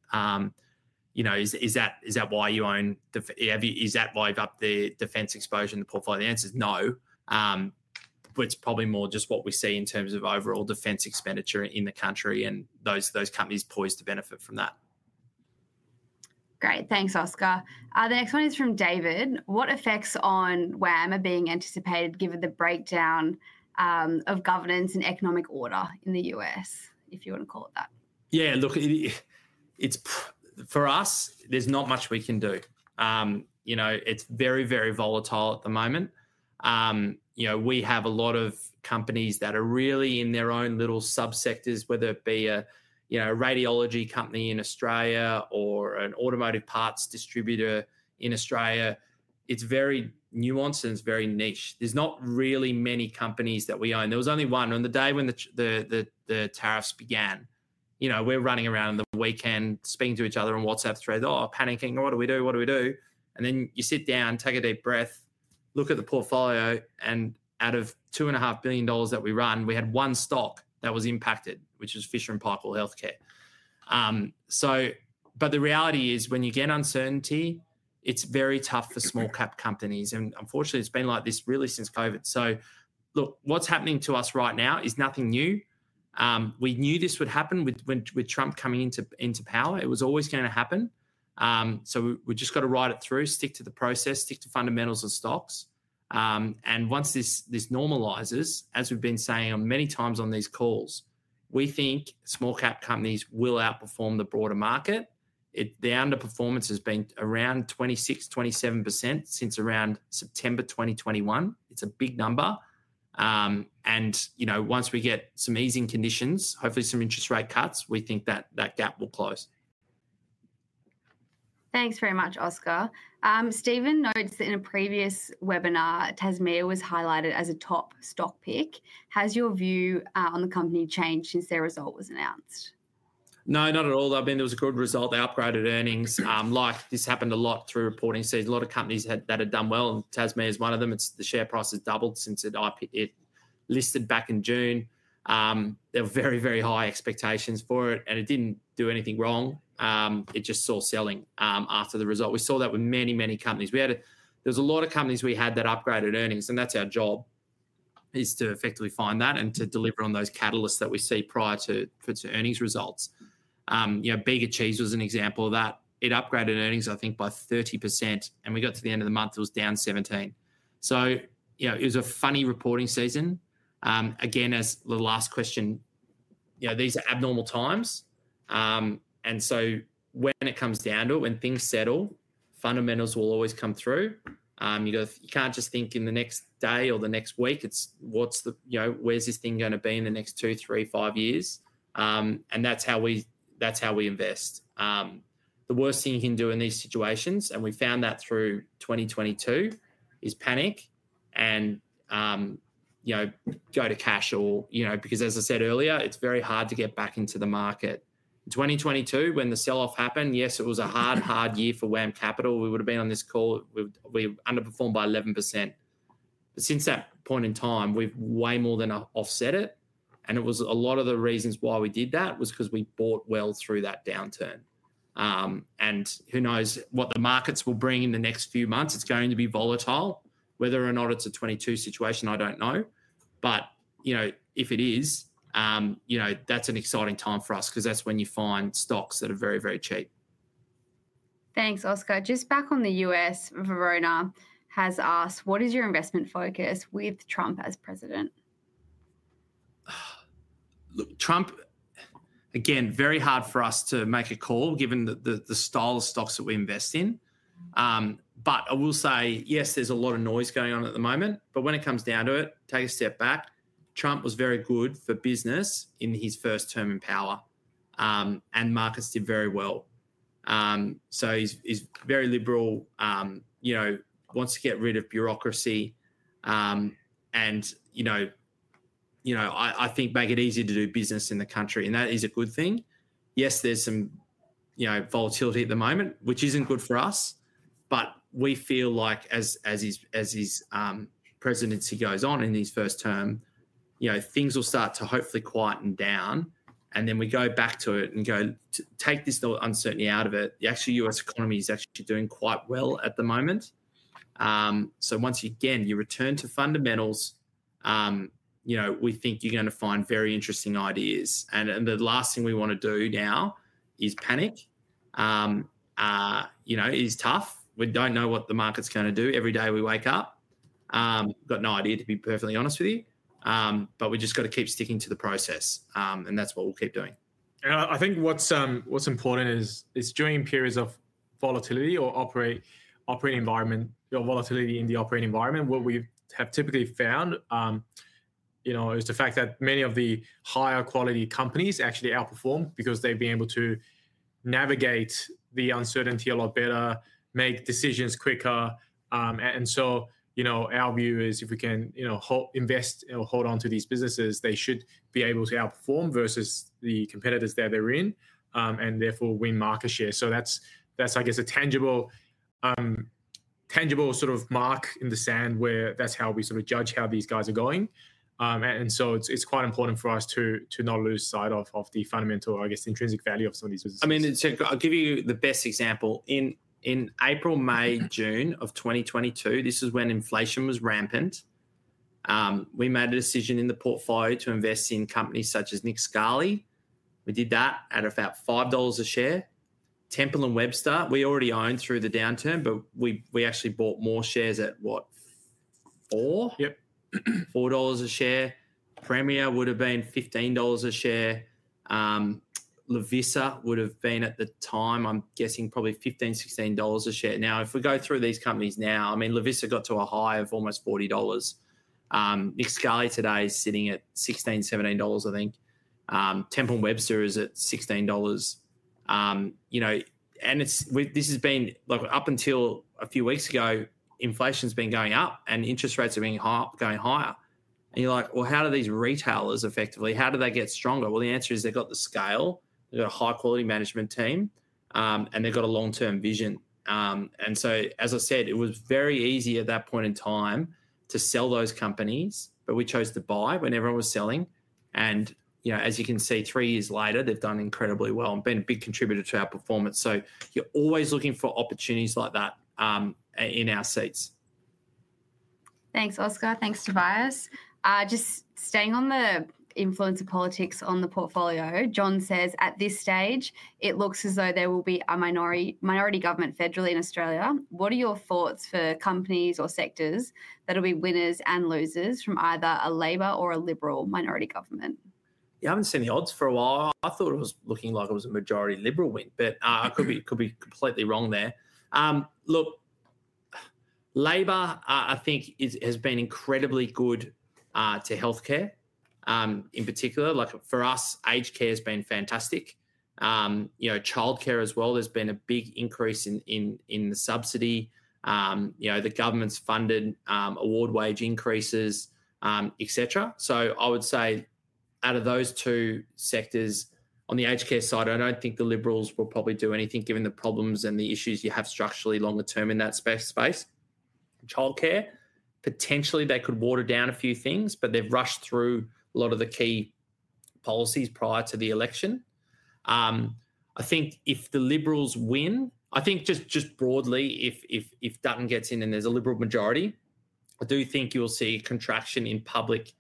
Is that why you own? Is that why you've upped the defense exposure in the portfolio? The answer is no. It's probably more just what we see in terms of overall defense expenditure in the country. And those companies poised to benefit from that. Great. Thanks, Oscar. The next one is from David. What effects on WAM Microcap are being anticipated, given the breakdown of governance and economic order in the U.S., if you want to call it that? Yeah, look, for us, there's not much we can do. It's very, very volatile at the moment. We have a lot of companies that are really in their own little subsectors, whether it be a radiology company in Australia or an automotive parts distributor in Australia. It's very nuanced and it's very niche. There's not really many companies that we own. There was only one on the day when the tariffs began. We're running around in the weekend, speaking to each other on WhatsApp threads, oh, panicking, what do we do? What do we do? You sit down, take a deep breath, look at the portfolio. Out of 2.5 billion dollars that we run, we had one stock that was impacted, which was Fisher & Paykel Healthcare. The reality is, when you get uncertainty, it's very tough for small-cap companies. Unfortunately, it's been like this really since COVID. Look, what's happening to us right now is nothing new. We knew this would happen with Trump coming into power. It was always going to happen. We just have to ride it through, stick to the process, stick to fundamentals and stocks. Once this normalizes, as we've been saying many times on these calls, we think small-cap companies will outperform the broader market. The underperformance has been around 26%-27% since around September 2021. It's a big number. Once we get some easing conditions, hopefully some interest rate cuts, we think that gap will close. Thanks very much, Oscar. Stephen notes that in a previous webinar, Tasmea was highlighted as a top stock pick. Has your view on the company changed since their result was announced? No, not at all. I mean, there was a good result. They upgraded earnings. This happened a lot through reporting season. A lot of companies that had done well, and Tasmea is one of them, the share price has doubled since it listed back in June. There were very, very high expectations for it. It did not do anything wrong. It just saw selling after the result. We saw that with many, many companies. There were a lot of companies we had that upgraded earnings. That is our job, to effectively find that and to deliver on those catalysts that we see prior to earnings results. Big Achieves was an example of that. It upgraded earnings, I think, by 30%. We got to the end of the month, it was down 17%. It was a funny reporting season. Again, as the last question, these are abnormal times. When it comes down to it, when things settle, fundamentals will always come through. You can't just think in the next day or the next week. It's where's this thing going to be in the next two, three, five years? That's how we invest. The worst thing you can do in these situations, and we found that through 2022, is panic and go to cash. As I said earlier, it's very hard to get back into the market. In 2022, when the sell-off happened, yes, it was a hard, hard year for WAM Capital. We would have been on this call. We underperformed by 11%. Since that point in time, we've way more than offset it. A lot of the reasons why we did that was because we bought well through that downturn. Who knows what the markets will bring in the next few months? It's going to be volatile. Whether or not it's a 2022 situation, I don't know. If it is, that's an exciting time for us because that's when you find stocks that are very, very cheap. Thanks, Oscar. Just back on the U.S., Verona has asked, what is your investment focus with Trump as president? Look, Trump, again, very hard for us to make a call, given the style of stocks that we invest in. I will say, yes, there's a lot of noise going on at the moment. When it comes down to it, take a step back. Trump was very good for business in his first term in power. Markets did very well. He is very liberal, wants to get rid of bureaucracy. I think make it easier to do business in the country. That is a good thing. Yes, there's some volatility at the moment, which isn't good for us. We feel like as his presidency goes on in his first term, things will start to hopefully quieten down. We go back to it and go, take this uncertainty out of it. The actual U.S. economy is actually doing quite well at the moment. Once again, you return to fundamentals, we think you're going to find very interesting ideas. The last thing we want to do now is panic. It's tough. We don't know what the market's going to do every day we wake up. Got no idea, to be perfectly honest with you. We've just got to keep sticking to the process. That's what we'll keep doing. I think what's important is during periods of volatility or operating environment, volatility in the operating environment, what we have typically found is the fact that many of the higher quality companies actually outperform because they've been able to navigate the uncertainty a lot better, make decisions quicker. Our view is, if we can invest or hold on to these businesses, they should be able to outperform versus the competitors that they're in and therefore win market share. That's, I guess, a tangible sort of mark in the sand where that's how we sort of judge how these guys are going. It's quite important for us to not lose sight of the fundamental, I guess, intrinsic value of some of these businesses. I mean, I'll give you the best example. In April, May, June of 2022, this is when inflation was rampant. We made a decision in the portfolio to invest in companies such as Nick Scali. We did that at about 5 dollars a share. Temple and Webster, we already owned through the downturn, but we actually bought more shares at, what, 4 a share. Premier would have been 15 dollars a share. Lovisa would have been at the time, I'm guessing, probably 15-16 dollars a share. Now, if we go through these companies now, I mean, Lovisa got to a high of almost 40 dollars. Nick Scali today is sitting at 16-17 dollars, I think. Temple and Webster is at 16 dollars. This has been, look, up until a few weeks ago, inflation's been going up and interest rates are going higher. You are like, well, how do these retailers effectively, how do they get stronger? The answer is they have the scale. They have a high-quality management team. They have a long-term vision. As I said, it was very easy at that point in time to sell those companies. We chose to buy when everyone was selling. As you can see, three years later, they have done incredibly well and been a big contributor to our performance. You are always looking for opportunities like that in our seats. Thanks, Oscar. Thanks, Tobias. Just staying on the influence of politics on the portfolio, John says, at this stage, it looks as though there will be a minority government federally in Australia. What are your thoughts for companies or sectors that will be winners and losers from either a Labor or a Liberal minority government? Yeah, I haven't seen the odds for a while. I thought it was looking like it was a majority Liberal win. I could be completely wrong there. Look, Labour, I think, has been incredibly good to healthcare in particular. For us, aged care has been fantastic. Childcare as well. There's been a big increase in the subsidy. The government's funded award wage increases, etc. I would say, out of those two sectors, on the aged care side, I don't think the Liberals will probably do anything given the problems and the issues you have structurally longer term in that space. Childcare, potentially, they could water down a few things, but they've rushed through a lot of the key policies prior to the election. I think if the Liberals win, I think just broadly, if Dutton gets in and there's a Liberal majority, I do think you'll see a contraction in public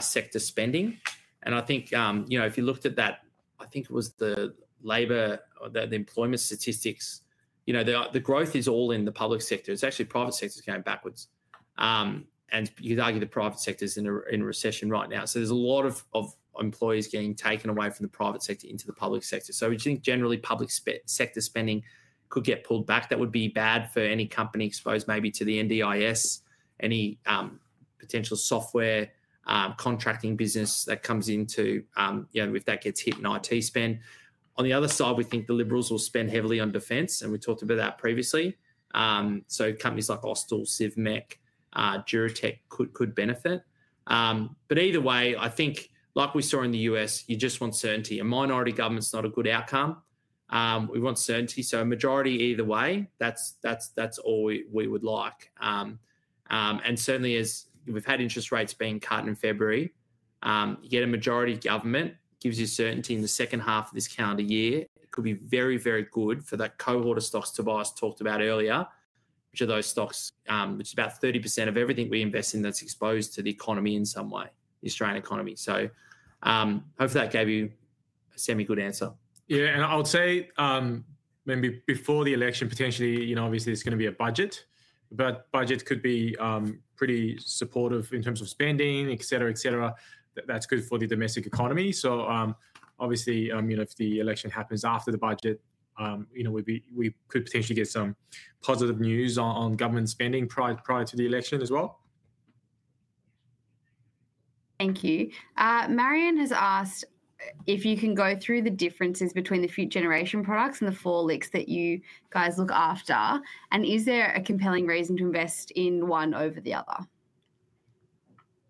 sector spending. I think if you looked at that, I think it was the Labor, the employment statistics, the growth is all in the public sector. It's actually private sector's going backwards. You could argue the private sector's in a recession right now. There are a lot of employees getting taken away from the private sector into the public sector. We think generally public sector spending could get pulled back. That would be bad for any company exposed maybe to the NDIS, any potential software contracting business that comes in if that gets hit in IT spend. On the other side, we think the Liberals will spend heavily on defense. We talked about that previously. Companies like Austal, Civmec, DuraTech could benefit. Either way, I think, like we saw in the U.S., you just want certainty. A minority government is not a good outcome. We want certainty. A majority either way, that's all we would like. Certainly, as we've had interest rates being cut in February, you get a majority government, gives you certainty in the second half of this calendar year. It could be very, very good for that cohort of stocks Tobias talked about earlier, which are those stocks which is about 30% of everything we invest in that's exposed to the economy in some way, the Australian economy. Hopefully that gave you a semi-good answerm Yeah. I would say, maybe before the election, potentially, obviously, there is going to be a budget. The budget could be pretty supportive in terms of spending, etc., etc. That is good for the domestic economy. Obviously, if the election happens after the budget, we could potentially get some positive news on government spending prior to the election as well. Thank you. Marianne has asked if you can go through the differences between the Future Generation products and the four LICs that you guys look after. Is there a compelling reason to invest in one over the other?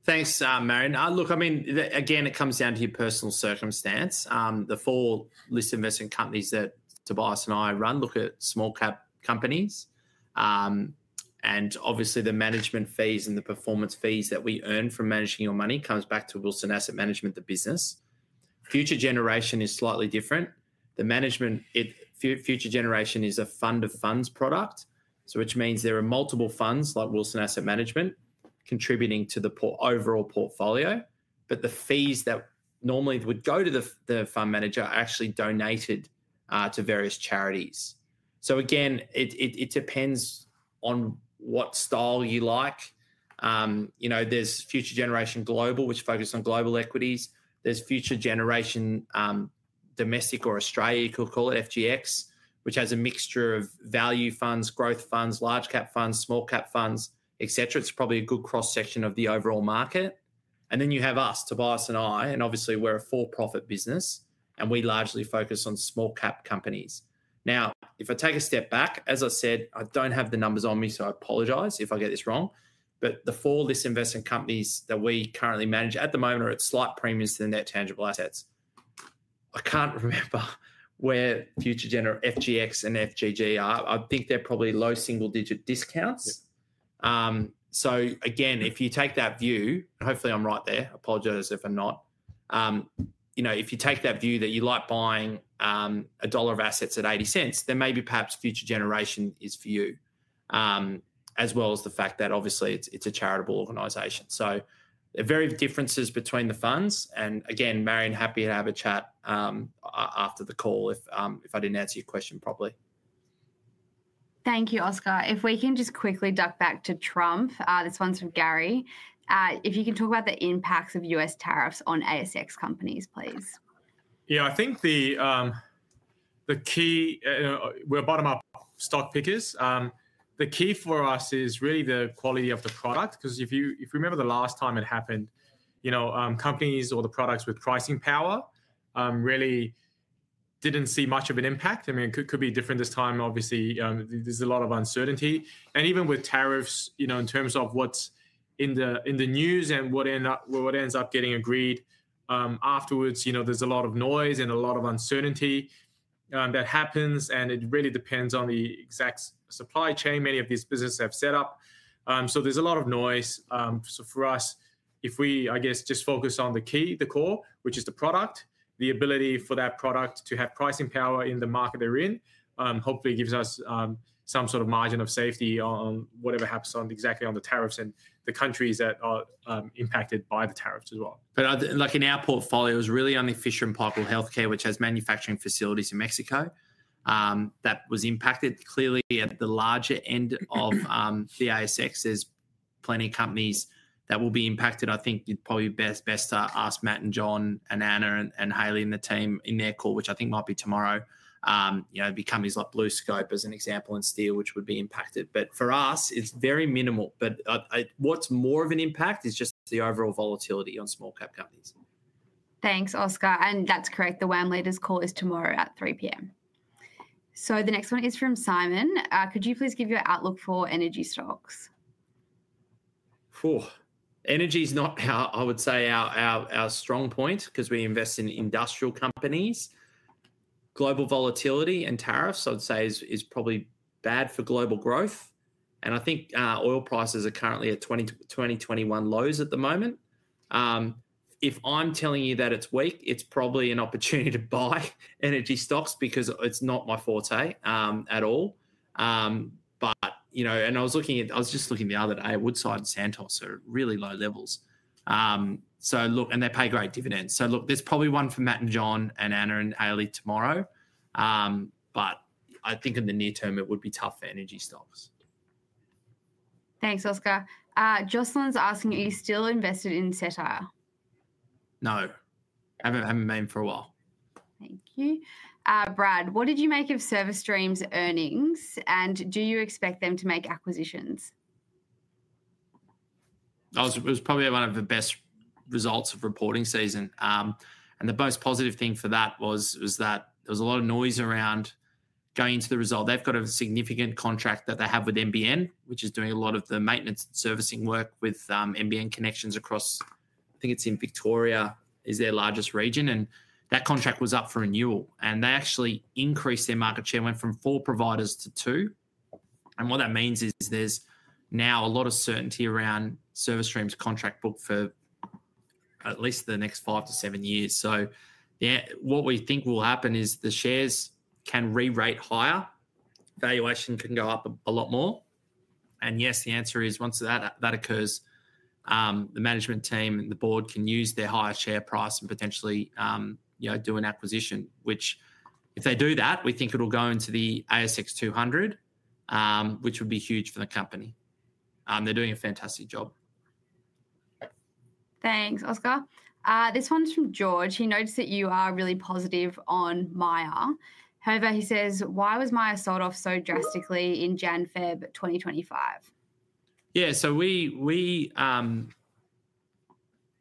Thanks, Marianne. Look, I mean, again, it comes down to your personal circumstance. The four listed investment companies that Tobias and I run look at small-cap companies. Obviously, the management fees and the performance fees that we earn from managing your money come back to Wilson Asset Management, the business. Future Generation is slightly different. The management for Future Generation is a fund-of-funds product, which means there are multiple funds like Wilson Asset Management contributing to the overall portfolio. The fees that normally would go to the fund manager are actually donated to various charities. Again, it depends on what style you like. There is Future Generation Global, which focuses on global equities. There is Future Generation Domestic or Australia, you could call it FGX, which has a mixture of value funds, growth funds, large-cap funds, small-cap funds, etc. It is probably a good cross-section of the overall market. You have us, Tobias and I. Obviously, we're a for-profit business. We largely focus on small-cap companies. If I take a step back, as I said, I don't have the numbers on me, so I apologize if I get this wrong. The four listed investment companies that we currently manage at the moment are at slight premiums to the net tangible assets. I can't remember where Future Generation FGX and FGG are. I think they're probably low single-digit discounts. If you take that view, and hopefully I'm right there. I apologize if I'm not. If you take that view that you like buying a dollar of assets at $0.80, then maybe perhaps Future Generation is for you, as well as the fact that obviously it's a charitable organization. There are very differences between the funds. Marianne, happy to have a chat after the call if I didn't answer your question properly. Thank you, Oscar. If we can just quickly duck back to Trump, this one's from Gary. If you can talk about the impacts of US tariffs on ASX companies, please. Yeah, I think the key we're bottom-up stock pickers. The key for us is really the quality of the product. Because if you remember the last time it happened, companies or the products with pricing power really didn't see much of an impact. I mean, it could be different this time. Obviously, there's a lot of uncertainty. Even with tariffs, in terms of what's in the news and what ends up getting agreed afterwards, there's a lot of noise and a lot of uncertainty that happens. It really depends on the exact supply chain many of these businesses have set up. There's a lot of noise. If we, I guess, just focus on the key, the core, which is the product, the ability for that product to have pricing power in the market they're in, hopefully gives us some sort of margin of safety on whatever happens exactly on the tariffs and the countries that are impacted by the tariffs as well. In our portfolio, it was really only Fisher & Paykel Healthcare, which has manufacturing facilities in Mexico, that was impacted. Clearly, at the larger end of the ASX, there's plenty of companies that will be impacted. I think it'd probably be best to ask Matt and John and Anna and Hayley and the team in their call, which I think might be tomorrow. It'd be companies like BlueScope as an example and Steel, which would be impacted. For us, it's very minimal. What's more of an impact is just the overall volatility on small-cap companies. Thanks, Oscar. That's correct. The WAM leaders' call is tomorrow at 3:00 P.M. The next one is from Simon. Could you please give your outlook for energy stocks? Energy is not, I would say, our strong point because we invest in industrial companies. Global volatility and tariffs, I'd say, is probably bad for global growth. I think oil prices are currently at 2021 lows at the moment. If I'm telling you that it's weak, it's probably an opportunity to buy energy stocks because it's not my forte at all. I was just looking the other day. Woodside and Santos are at really low levels. They pay great dividends. Look, there's probably one for Matt and John and Anna and Hayley tomorrow. I think in the near term, it would be tough for energy stocks. Thanks, Oscar. Jocelyn's asking, are you still invested in Cedar? No. Haven't been for a while. Thank you. Brad, what did you make of ServiceStream's earnings? Do you expect them to make acquisitions? It was probably one of the best results of reporting season. The most positive thing for that was that there was a lot of noise around going into the result. They've got a significant contract that they have with NBN, which is doing a lot of the maintenance and servicing work with NBN Connections across, I think it's in Victoria, is their largest region. That contract was up for renewal. They actually increased their market share, went from four providers to two. What that means is there's now a lot of certainty around ServiceStream's contract book for at least the next five to seven years. What we think will happen is the shares can re-rate higher. Valuation can go up a lot more. Yes, the answer is once that occurs, the management team and the board can use their higher share price and potentially do an acquisition, which if they do that, we think it will go into the ASX 200, which would be huge for the company. They are doing a fantastic job. Thanks, Oscar. This one's from George. He notes that you are really positive on Myer. However, he says, why was Myer sold off so drastically in January/February 2025? Yeah, so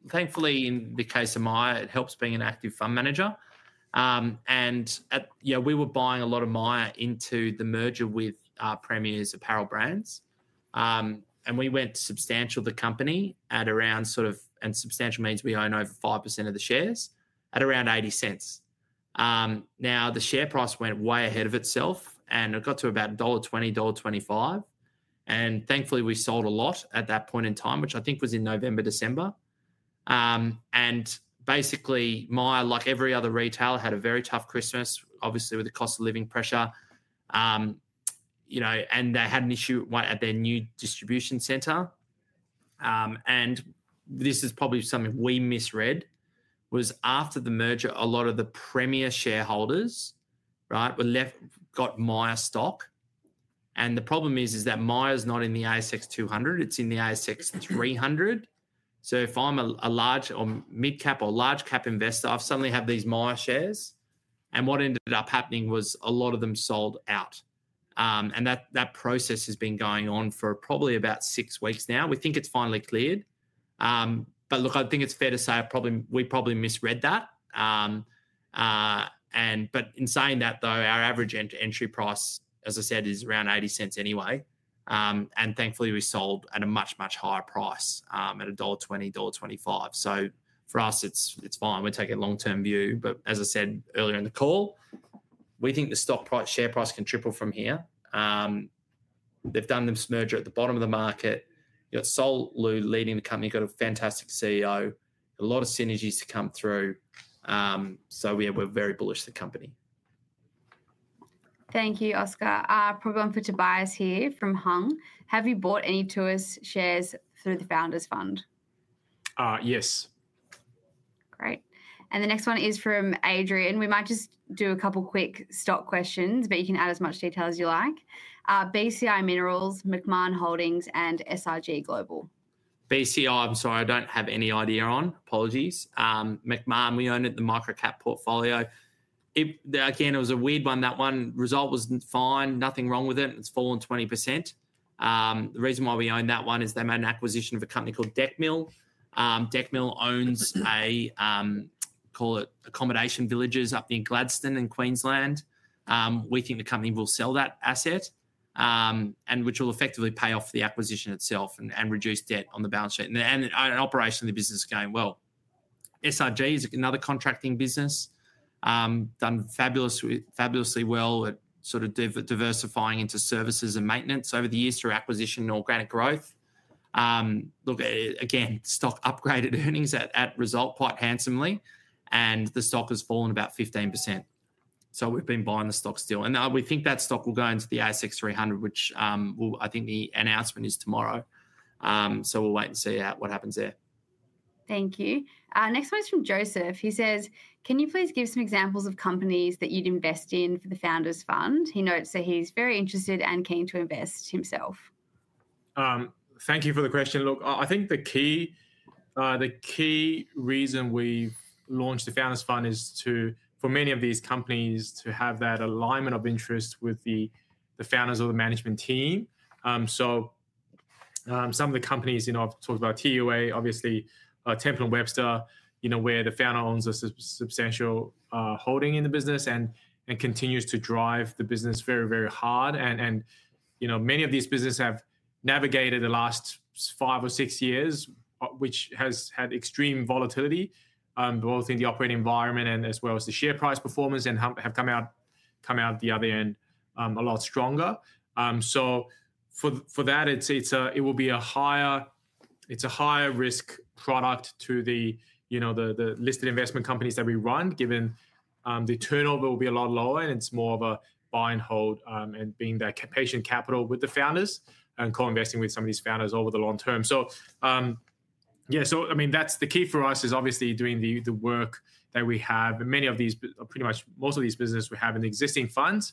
thankfully, in the case of Myer, it helps being an active fund manager. We were buying a lot of Myer into the merger with Premier's apparel brands. We went substantial the company at around sort of, and substantial means we own over 5% of the shares, at around 0.80. Now, the share price went way ahead of itself and it got to about 1.20-1.25 dollar. Thankfully, we sold a lot at that point in time, which I think was in November, December. Basically, Myer, like every other retailer, had a very tough Christmas, obviously, with the cost of living pressure. They had an issue at their new distribution center. This is probably something we misread, was after the merger, a lot of the Premier shareholders got Myer stock. The problem is that Myer is not in the ASX 200. It's in the ASX 300. If I'm a large or mid-cap or large-cap investor, I suddenly have these Myer shares. What ended up happening was a lot of them sold out. That process has been going on for probably about six weeks now. We think it's finally cleared. I think it's fair to say we probably misread that. In saying that, though, our average entry price, as I said, is around 0.80 anyway. Thankfully, we sold at a much, much higher price at 1.20 dollar, 1.25. For us, it's fine. We're taking a long-term view. As I said earlier in the call, we think the share price can triple from here. They've done this merger at the bottom of the market. You've got Solomon Lew leading the company. You've got a fantastic CEO. A lot of synergies to come through. We're very bullish on the company. Thank you, Oscar. Probably one for Tobias here from Hung. Have you bought any Tuas shares through the founders' fund? Yes. Great. The next one is from Adrian. We might just do a couple of quick stock questions, but you can add as much detail as you like. BCI Minerals, Macmahon Holdings, and SIG Global. BCI, I'm sorry, I don't have any idea on. Apologies. Macmahon, we own it, the microcap portfolio. Again, it was a weird one. That one result was fine. Nothing wrong with it. It's fallen 20%. The reason why we own that one is they made an acquisition of a company called Decmil. Decmil owns a, call it, accommodation villages up in Gladstone in Queensland. We think the company will sell that asset, which will effectively pay off the acquisition itself and reduce debt on the balance sheet. Operationally the business is going well. SIG is another contracting business. Done fabulously well at sort of diversifying into services and maintenance over the years through acquisition or organic growth. Look, again, stock upgraded earnings at result quite handsomely. The stock has fallen about 15%. We have been buying the stock still. We think that stock will go into the ASX 300, which I think the announcement is tomorrow. We will wait and see what happens there. Thank you. Next one is from Joseph. He says, can you please give some examples of companies that you'd invest in for the founders' fund? He notes that he's very interested and keen to invest himself. Thank you for the question. Look, I think the key reason we've launched the founders' fund is for many of these companies to have that alignment of interest with the founders or the management team. Some of the companies, I've talked about TUA, obviously, Temple & Webster, where the founder owns a substantial holding in the business and continues to drive the business very, very hard. Many of these businesses have navigated the last five or six years, which has had extreme volatility, both in the operating environment and as well as the share price performance, and have come out the other end a lot stronger. For that, it will be a higher risk product to the listed investment companies that we run, given the turnover will be a lot lower. It is more of a buy and hold and being that patient capital with the founders and co-investing with some of these founders over the long term. Yeah, I mean, that is the key for us is obviously doing the work that we have. Many of these, pretty much most of these businesses, we have an existing fund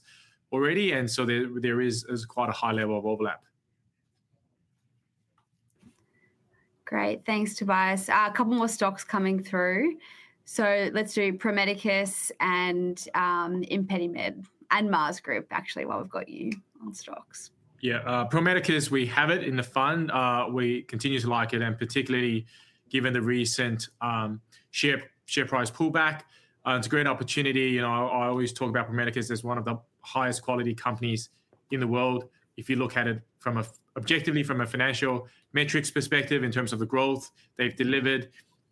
already. There is quite a high level of overlap. Great. Thanks, Tobias. A couple more stocks coming through. Let's do Pro Medicus and ImpediMed and Mars Group, actually, while we've got you on stocks. Yeah, Pro Medicus, we have it in the fund. We continue to like it, and particularly given the recent share price pullback. It's a great opportunity. I always talk about Pro Medicus as one of the highest quality companies in the world. If you look at it objectively from a financial metrics perspective in terms of the growth they've delivered,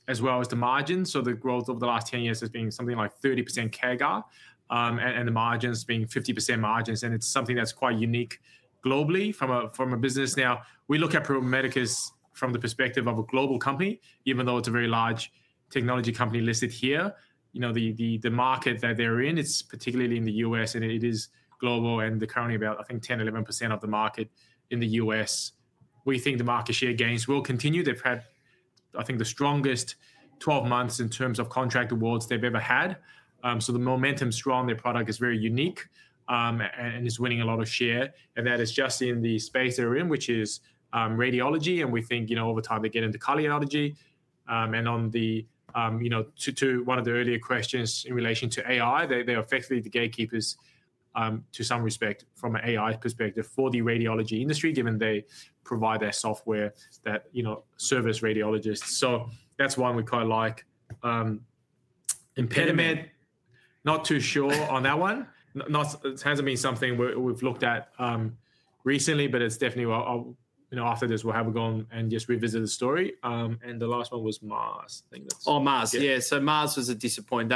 as well as the margins. The growth over the last 10 years has been something like 30% CAGR and the margins being 50% margins. It's something that's quite unique globally from a business. Now, we look at Pro Medicus from the perspective of a global company, even though it's a very large technology company listed here. The market that they're in, it's particularly in the U.S., and it is global and currently about, I think, 10%, 11% of the market in the U.S. We think the market share gains will continue. They've had, I think, the strongest 12 months in terms of contract awards they've ever had. The momentum's strong. Their product is very unique and is winning a lot of share. That is just in the space they're in, which is radiology. We think over time they get into cardiology. On to one of the earlier questions in relation to AI, they're effectively the gatekeepers to some respect from an AI perspective for the radiology industry, given they provide their software that service radiologists. That's one we quite like. ImpeMed, not too sure on that one. It hasn't been something we've looked at recently, but it's definitely after this, we'll have a go and just revisit the story. The last one was Mars, I think. Oh, Mars, yeah. Mars was a disappointment.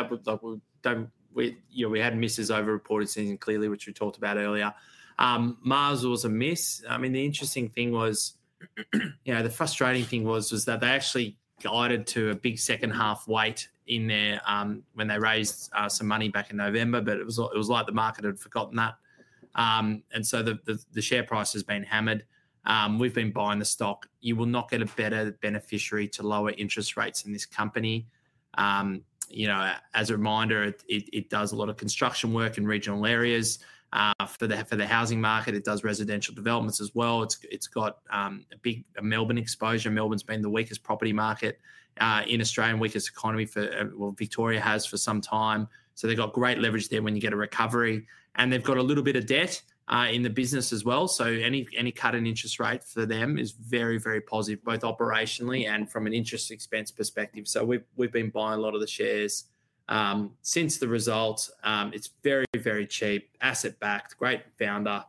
We had misses overreported things clearly, which we talked about earlier. Mars was a miss. I mean, the interesting thing was, the frustrating thing was that they actually guided to a big second half weight in there when they raised some money back in November, but it was like the market had forgotten that. The share price has been hammered. We've been buying the stock. You will not get a better beneficiary to lower interest rates in this company. As a reminder, it does a lot of construction work in regional areas for the housing market. It does residential developments as well. It's got a big Melbourne exposure. Melbourne's been the weakest property market in Australia, weakest economy for Victoria has for some time. They have great leverage there when you get a recovery. They've got a little bit of debt in the business as well. Any cut in interest rate for them is very, very positive, both operationally and from an interest expense perspective. We've been buying a lot of the shares since the result. It's very, very cheap, asset backed, great founder.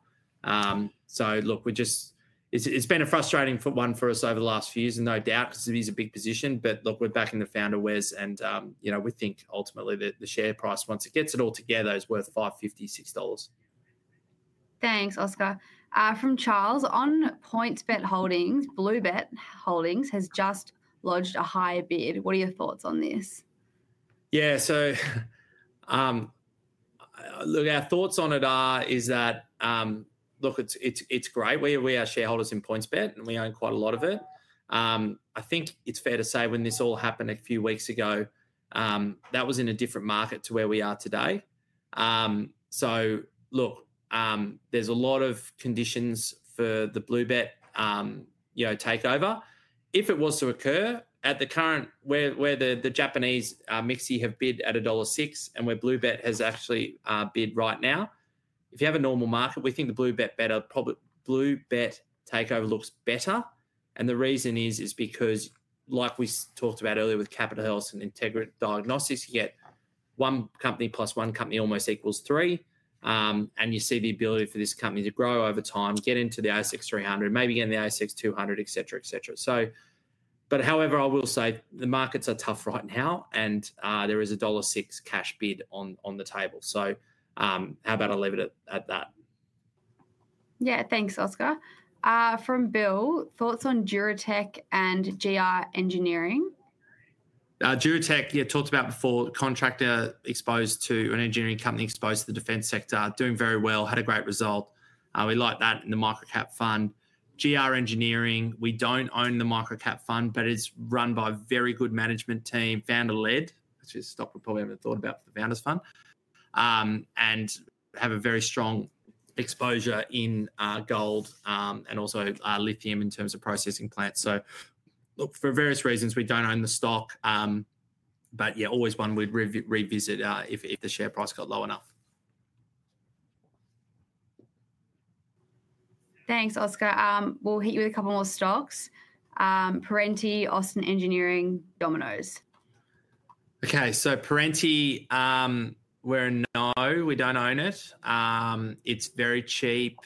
It's been a frustrating one for us over the last few years, no doubt, because it is a big position. We're back in the founder whiz. We think ultimately that the share price, once it gets it all together, is worth 5.56 dollars. Thanks, Oscar. From Charles, on PointsBet Holdings, BlueBet Holdings has just lodged a high bid. What are your thoughts on this? Yeah, so look, our thoughts on it are that, look, it's great. We are shareholders in PointsBet, and we own quite a lot of it. I think it's fair to say when this all happened a few weeks ago, that was in a different market to where we are today. There are a lot of conditions for the BlueBet takeover. If it was to occur at the current where the Japanese MIXI have bid at dollar 1.06 and where BlueBet has actually bid right now, if you have a normal market, we think the BlueBet takeover looks better. The reason is because, like we talked about earlier with Capitol Health and Integral Diagnostics, you get one company plus one company almost equals three. You see the ability for this company to grow over time, get into the ASX 300, maybe get in the ASX 200, et cetera, et cetera. However, I will say the markets are tough right now, and there is a dollar 1.06 cash bid on the table. How about I leave it at that? Yeah, thanks, Oscar. From Bill, thoughts on DuraTech and GR Engineering? DuraTech, yeah, talked about before, contractor exposed to an engineering company exposed to the defense sector, doing very well, had a great result. We like that in the microcap fund. GR Engineering, we do not own in the microcap fund, but it is run by a very good management team, founder-led, which is a stock we probably have not thought about for the founders' fund. They have a very strong exposure in gold and also lithium in terms of processing plants. For various reasons, we do not own the stock. Yeah, always one we would revisit if the share price got low enough. Thanks, Oscar. We'll hit you with a couple more stocks. Perenti, Austin Engineering, Domino's. Okay, so Perenti, we're a, no. We don't own it. It's very cheap.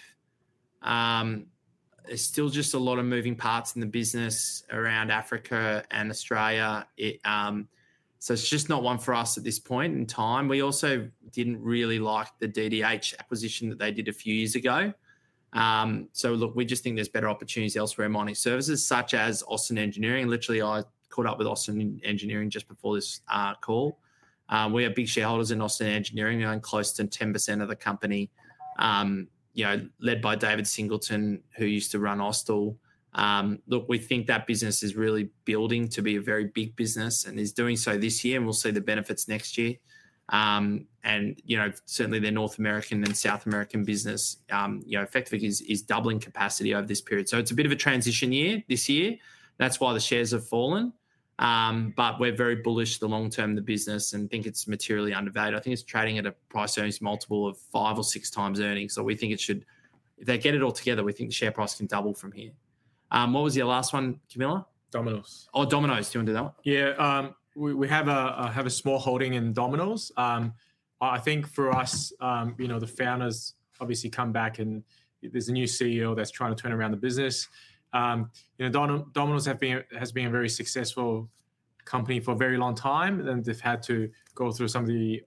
There's still just a lot of moving parts in the business around Africa and Australia. It's just not one for us at this point in time. We also didn't really like the DDH acquisition that they did a few years ago. Look, we just think there's better opportunities elsewhere in mining services, such as Austin Engineering. Literally, I caught up with Austin Engineering just before this call. We are big shareholders in Austin Engineering. We own close to 10% of the company, led by David Singleton, who used to run Austal. Look, we think that business is really building to be a very big business and is doing so this year. We'll see the benefits next year. Certainly, the North American and South American business, effectively, is doubling capacity over this period. It's a bit of a transition year this year. That's why the shares have fallen. We're very bullish the long term of the business and think it's materially undervalued. I think it's trading at a price earnings multiple of five or six times earnings. We think it should, if they get it all together, we think the share price can double from here. What was your last one, Camilla? Domino's. Oh, Domino's. Do you want to do that one? Yeah, we have a small holding in Domino's. I think for us, the founders obviously come back and there's a new CEO that's trying to turn around the business. Domino's has been a very successful company for a very long time. They've had to go through some of the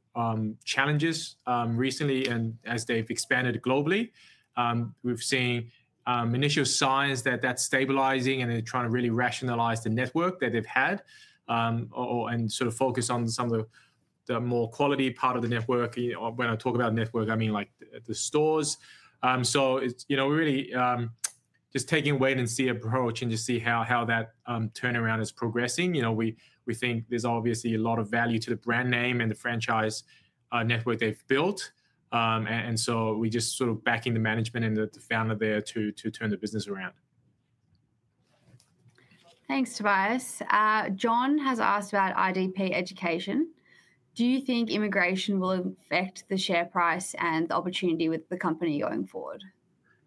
challenges recently. As they've expanded globally, we've seen initial signs that that's stabilizing and they're trying to really rationalize the network that they've had and sort of focus on some of the more quality part of the network. When I talk about network, I mean like the stores. We're really just taking a wait and see approach and just see how that turnaround is progressing. We think there's obviously a lot of value to the brand name and the franchise network they've built. We're just sort of backing the management and the founder there to turn the business around. Thanks, Tobias. John has asked about IDP Education. Do you think immigration will affect the share price and the opportunity with the company going forward?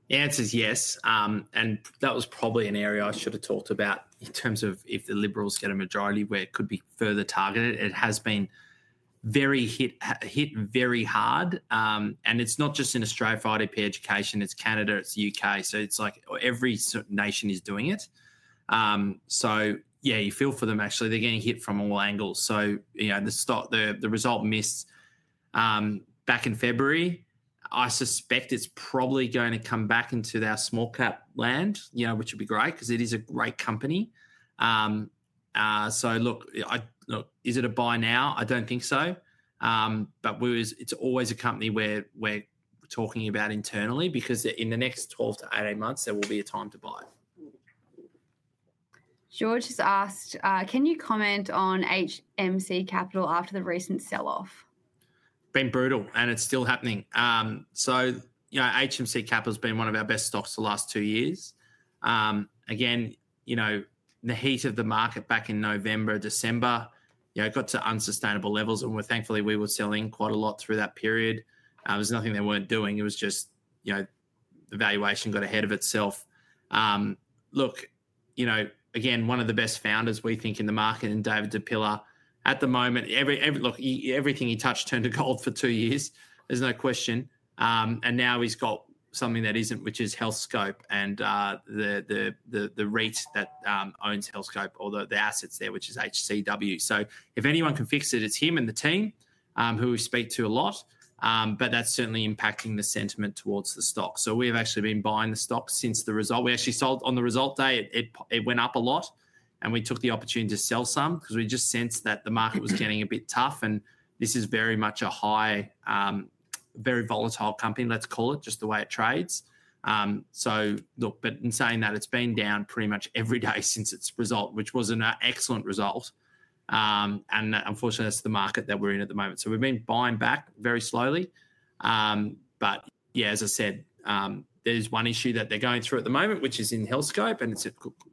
The answer is yes. That was probably an area I should have talked about in terms of if the Liberals get a majority where it could be further targeted. It has been hit very hard. It is not just in Australia, for IDP Education. It is Canada, it is the U.K. It is like every nation is doing it. You feel for them, actually. They are getting hit from all angles. The result missed back in February. I suspect it is probably going to come back into their small cap land, which would be great because it is a great company. Look, is it a buy now? I do not think so. It is always a company we are talking about internally because in the next 12-18 months, there will be a time to buy. George has asked, can you comment on HMC Capital after the recent sell-off? Been brutal, and it's still happening. HMC Capital has been one of our best stocks the last two years. Again, the heat of the market back in November, December, it got to unsustainable levels. Thankfully, we were selling quite a lot through that period. There was nothing they weren't doing. It was just the valuation got ahead of itself. Look, again, one of the best founders we think in the market and David De Pila, at the moment, look, everything he touched turned to gold for two years, there's no question. Now he's got something that isn't, which is Healthscope and the REIT that owns Healthscope, although the assets there, which is HCW. If anyone can fix it, it's him and the team who we speak to a lot. That's certainly impacting the sentiment towards the stock. We have actually been buying the stock since the result. We actually sold on the result day. It went up a lot. We took the opportunity to sell some because we just sensed that the market was getting a bit tough. This is very much a high, very volatile company, let's call it, just the way it trades. In saying that, it's been down pretty much every day since its result, which was an excellent result. Unfortunately, that's the market that we're in at the moment. We have been buying back very slowly. As I said, there's one issue that they're going through at the moment, which is in Healthscope.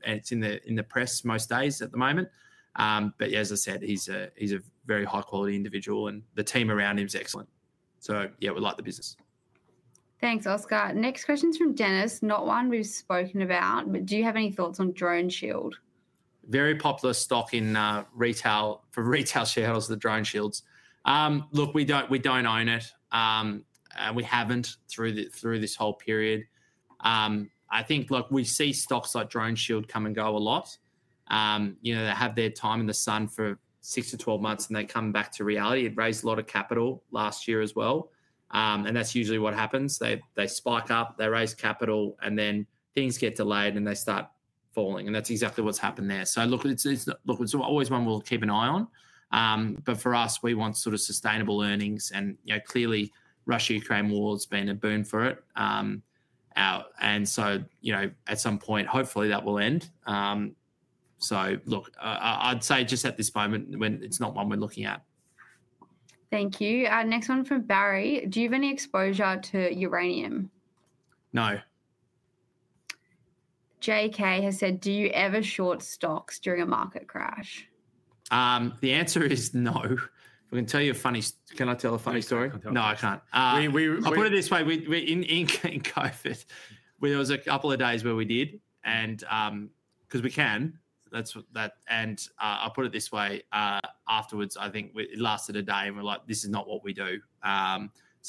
It's in the press most days at the moment. As I said, he's a very high-quality individual. The team around him is excellent. Yeah, we like the business. Thanks, Oscar. Next question is from Dennis. Not one we've spoken about, but do you have any thoughts on DroneShield? Very popular stock in retail for retail shareholders, the DroneShields. Look, we do not own it. We have not through this whole period. I think, look, we see stocks like DroneShield come and go a lot. They have their time in the sun for 6-12 months, and they come back to reality. It raised a lot of capital last year as well. That is usually what happens. They spike up, they raise capital, and then things get delayed and they start falling. That is exactly what has happened there. Look, it is always one we will keep an eye on. For us, we want sort of sustainable earnings. Clearly, Russia-Ukraine war has been a boon for it. At some point, hopefully, that will end. I would say just at this moment, it is not one we are looking at. Thank you. Next one from Barry. Do you have any exposure to uranium? No. JK has said, do you ever short stocks during a market crash? The answer is no. If I can tell you a funny story. Can I tell a funny story? No, I can't. I put it this way. In COVID, there was a couple of days where we did. Because we can, and I'll put it this way, afterwards, I think it lasted a day and we're like, this is not what we do.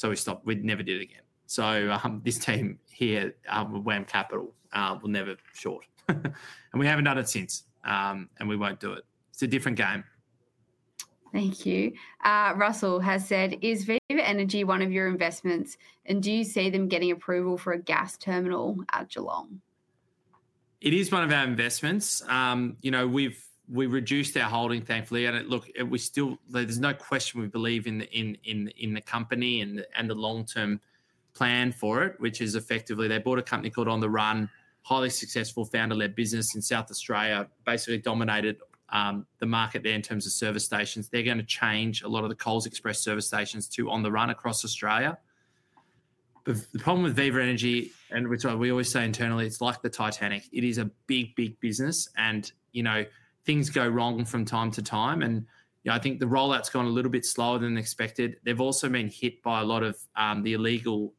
We stopped. We never did it again. This team here at WAM Microcap will never short. We haven't done it since. We won't do it. It's a different game. Thank you. Russell has said, is Viva Energy one of your investments? And do you see them getting approval for a gas terminal at Geelong? It is one of our investments. We've reduced our holding, thankfully. Look, there's no question we believe in the company and the long-term plan for it, which is effectively they bought a company called On the Run, highly successful founder-led business in South Australia, basically dominated the market there in terms of service stations. They're going to change a lot of the Coals Express service stations to On the Run across Australia. The problem with Viva Energy, which we always say internally, it's like the Titanic. It is a big, big business. Things go wrong from time to time. I think the rollout's gone a little bit slower than expected. They've also been hit by a lot of the illegal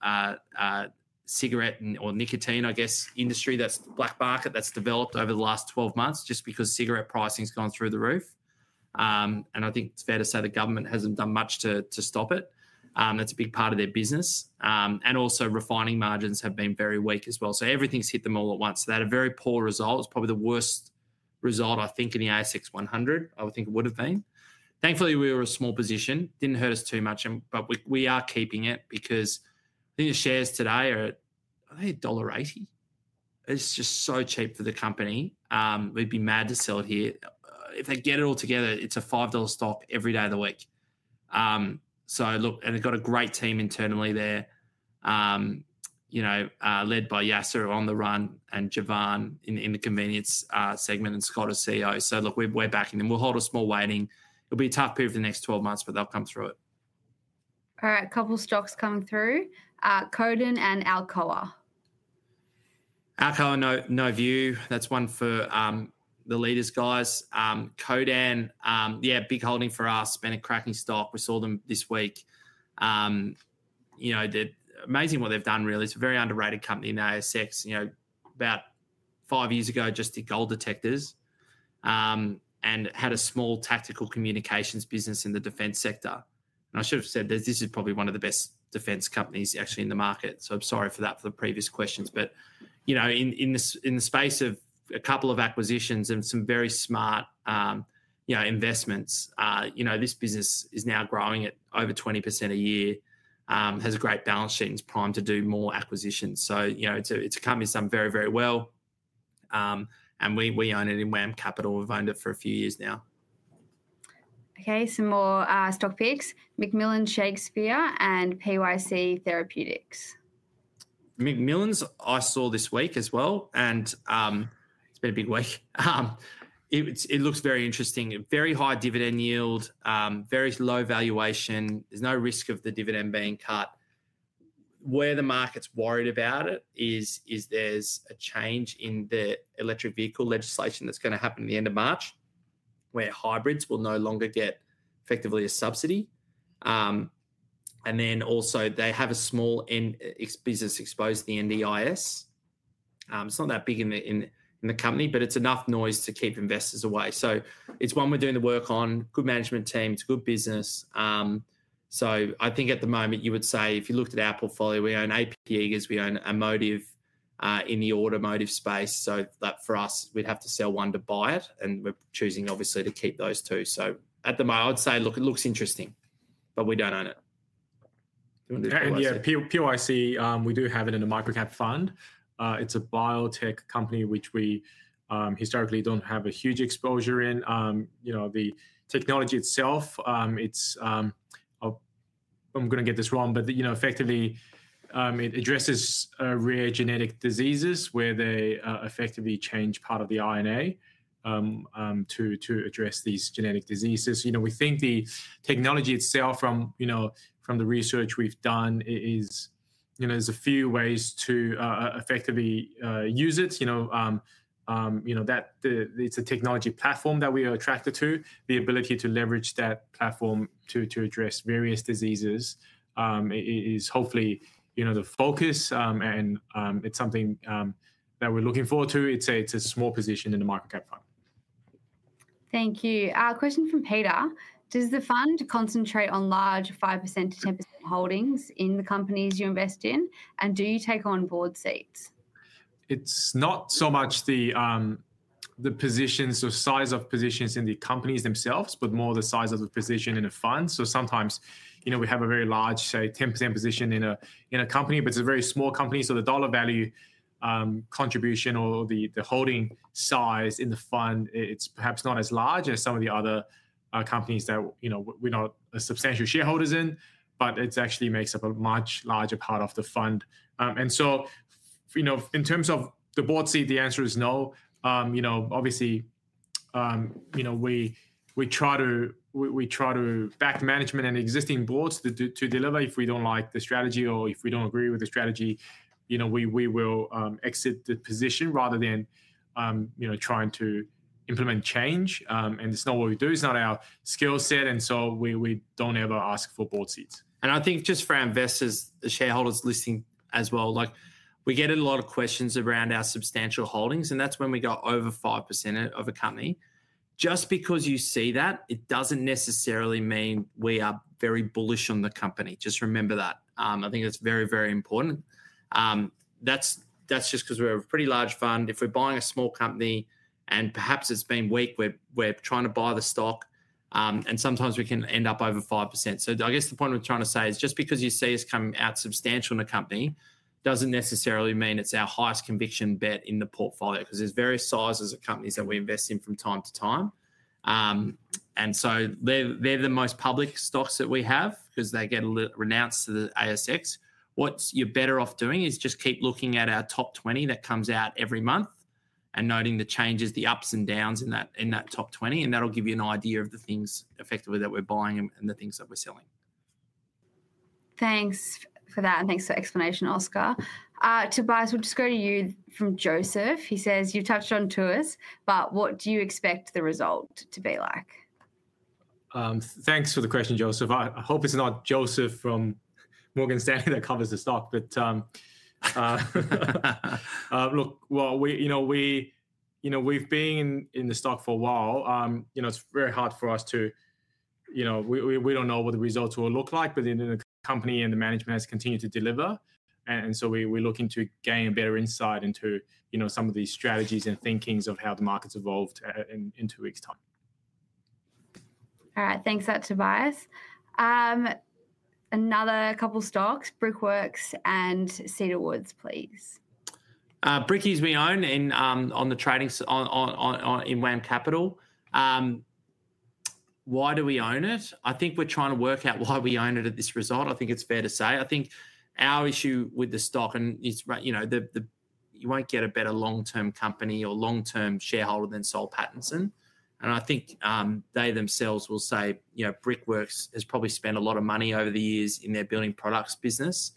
cigarette or nicotine, I guess, industry. That's a black market that's developed over the last 12 months just because cigarette pricing's gone through the roof. I think it's fair to say the government hasn't done much to stop it. That's a big part of their business. Also, refining margins have been very weak as well. Everything's hit them all at once. They had a very poor result. It's probably the worst result, I think, in the ASX 100. I would think it would have been. Thankfully, we were a small position. Didn't hurt us too much. We are keeping it because I think the shares today are at, are they AUD 1.80? It's just so cheap for the company. We'd be mad to sell it here. If they get it all together, it's a 5 dollar stock every day of the week. They have a great team internally there, led by Yasser on the Run and Javan in the convenience segment and Scott as CEO. Look, we're backing them. We'll hold a small weighting. It'll be a tough period for the next 12 months, but they'll come through it. All right, a couple of stocks coming through. Codan and Alcoa. Alcoa, no view. That's one for the leaders, guys. Codan, yeah, big holding for us. Been a cracking stock. We saw them this week. Amazing what they've done, really. It's a very underrated company in the ASX. About five years ago, just did gold detectors and had a small tactical communications business in the defense sector. I should have said this is probably one of the best defense companies, actually, in the market. I'm sorry for that for the previous questions. In the space of a couple of acquisitions and some very smart investments, this business is now growing at over 20% a year, has a great balance sheet, and is primed to do more acquisitions. It's a company that's done very, very well. We own it in WAM Capital. We've owned it for a few years now. Okay, some more stock picks. McMillan Shakespeare and PYC Therapeutics. McMillan's, I saw this week as well. It has been a big week. It looks very interesting. Very high dividend yield, very low valuation. There is no risk of the dividend being cut. Where the market is worried about it is there is a change in the electric vehicle legislation that is going to happen at the end of March, where hybrids will no longer get effectively a subsidy. They also have a small business exposed to the NDIS. It is not that big in the company, but it is enough noise to keep investors away. It is one we are doing the work on. Good management team, it is a good business. I think at the moment, you would say, if you looked at our portfolio, we own AP Eagers, we own Amotiv in the automotive space. For us, we would have to sell one to buy it. We are choosing, obviously, to keep those two. At the moment, I would say, look, it looks interesting, but we do not own it. Yeah, PYC, we do have it in a microcap fund. It's a biotech company, which we historically don't have a huge exposure in. The technology itself, I'm going to get this wrong, but effectively, it addresses rare genetic diseases where they effectively change part of the RNA to address these genetic diseases. We think the technology itself, from the research we've done, there's a few ways to effectively use it. It's a technology platform that we are attracted to. The ability to leverage that platform to address various diseases is hopefully the focus. It's something that we're looking forward to. It's a small position in the microcap fund. Thank you. Question from Peter. Does the fund concentrate on large 5%-10% holdings in the companies you invest in? Do you take on board seats? It's not so much the positions or size of positions in the companies themselves, but more the size of the position in a fund. Sometimes we have a very large, say, 10% position in a company, but it's a very small company. The dollar value contribution or the holding size in the fund, it's perhaps not as large as some of the other companies that we're not substantial shareholders in, but it actually makes up a much larger part of the fund. In terms of the board seat, the answer is no. Obviously, we try to back management and existing boards to deliver. If we don't like the strategy or if we don't agree with the strategy, we will exit the position rather than trying to implement change. It's not what we do. It's not our skill set. We do not ever ask for board seats. I think just for investors, the shareholders listening as well, we get a lot of questions around our substantial holdings. That is when we get over 5% of a company. Just because you see that, it does not necessarily mean we are very bullish on the company. Just remember that. I think that is very, very important. That is just because we are a pretty large fund. If we are buying a small company and perhaps it has been weak, we are trying to buy the stock. Sometimes we can end up over 5%. I guess the point we are trying to say is just because you see us coming out substantial in a company does not necessarily mean it is our highest conviction bet in the portfolio because there are various sizes of companies that we invest in from time to time. They are the most public stocks that we have because they get renounced to the ASX. What you are better off doing is just keep looking at our top 20 that comes out every month and noting the changes, the ups and downs in that top 20. That will give you an idea of the things effectively that we are buying and the things that we are selling. Thanks for that. Thanks for the explanation, Oscar. Tobias, we'll just go to you from Joseph. He says, you've touched on Tuas, but what do you expect the result to be like? Thanks for the question, Joseph. I hope it's not Joseph from Morgan Stanley that covers the stock, but look, we've been in the stock for a while. It's very hard for us to, we don't know what the results will look like, but the company and the management has continued to deliver. We are looking to gain a better insight into some of these strategies and thinkings of how the market's evolved in two weeks' time. All right, thanks for that, Tobias. Another couple of stocks, Brickworks and Cedar Woods, please. Brickworks we own on the trading in WAM Capital. Why do we own it? I think we're trying to work out why we own it at this result. I think it's fair to say. I think our issue with the stock, and you won't get a better long-term company or long-term shareholder than Soul Pattinson. I think they themselves will say Brickworks has probably spent a lot of money over the years in their building products business.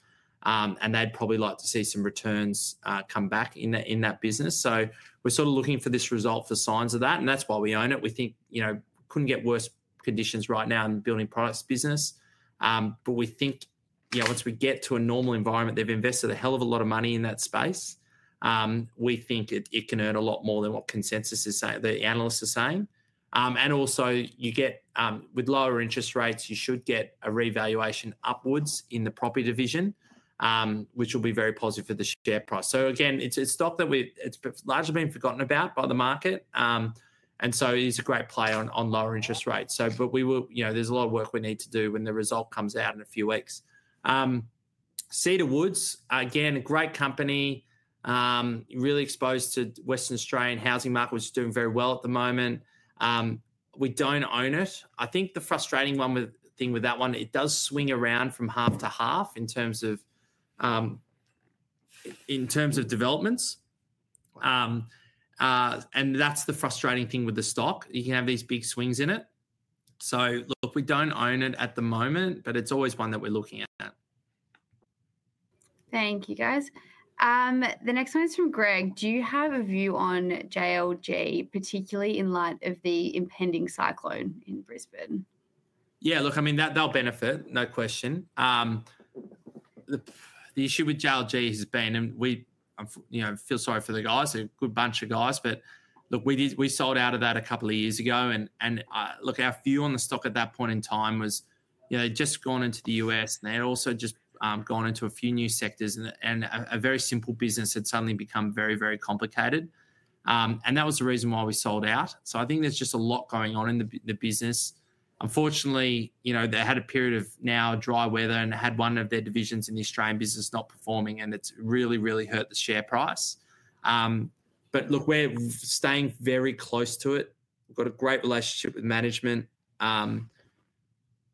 They'd probably like to see some returns come back in that business. We are sort of looking for this result for signs of that. That's why we own it. We think we couldn't get worse conditions right now in the building products business. We think once we get to a normal environment, they've invested a hell of a lot of money in that space. We think it can earn a lot more than what consensus is saying, the analysts are saying. Also, with lower interest rates, you should get a revaluation upwards in the property division, which will be very positive for the share price. Again, it's a stock that's largely been forgotten about by the market. It is a great player on lower interest rates. There is a lot of work we need to do when the result comes out in a few weeks. Cedar Woods, again, a great company, really exposed to Western Australian housing market, which is doing very well at the moment. We do not own it. I think the frustrating thing with that one, it does swing around from half to half in terms of developments. That is the frustrating thing with the stock. You can have these big swings in it. Look, we don't own it at the moment, but it's always one that we're looking at. Thank you, guys. The next one is from Greg. Do you have a view on JLJ, particularly in light of the impending cyclone in Brisbane? Yeah, look, I mean, they'll benefit, no question. The issue with JLJ has been, and I feel sorry for the guys, a good bunch of guys, but look, we sold out of that a couple of years ago. I mean, our view on the stock at that point in time was they'd just gone into the U.S, and they had also just gone into a few new sectors. A very simple business had suddenly become very, very complicated. That was the reason why we sold out. I think there's just a lot going on in the business. Unfortunately, they had a period of now dry weather and had one of their divisions in the Australian business not performing. It's really, really hurt the share price. Look, we're staying very close to it. We've got a great relationship with management.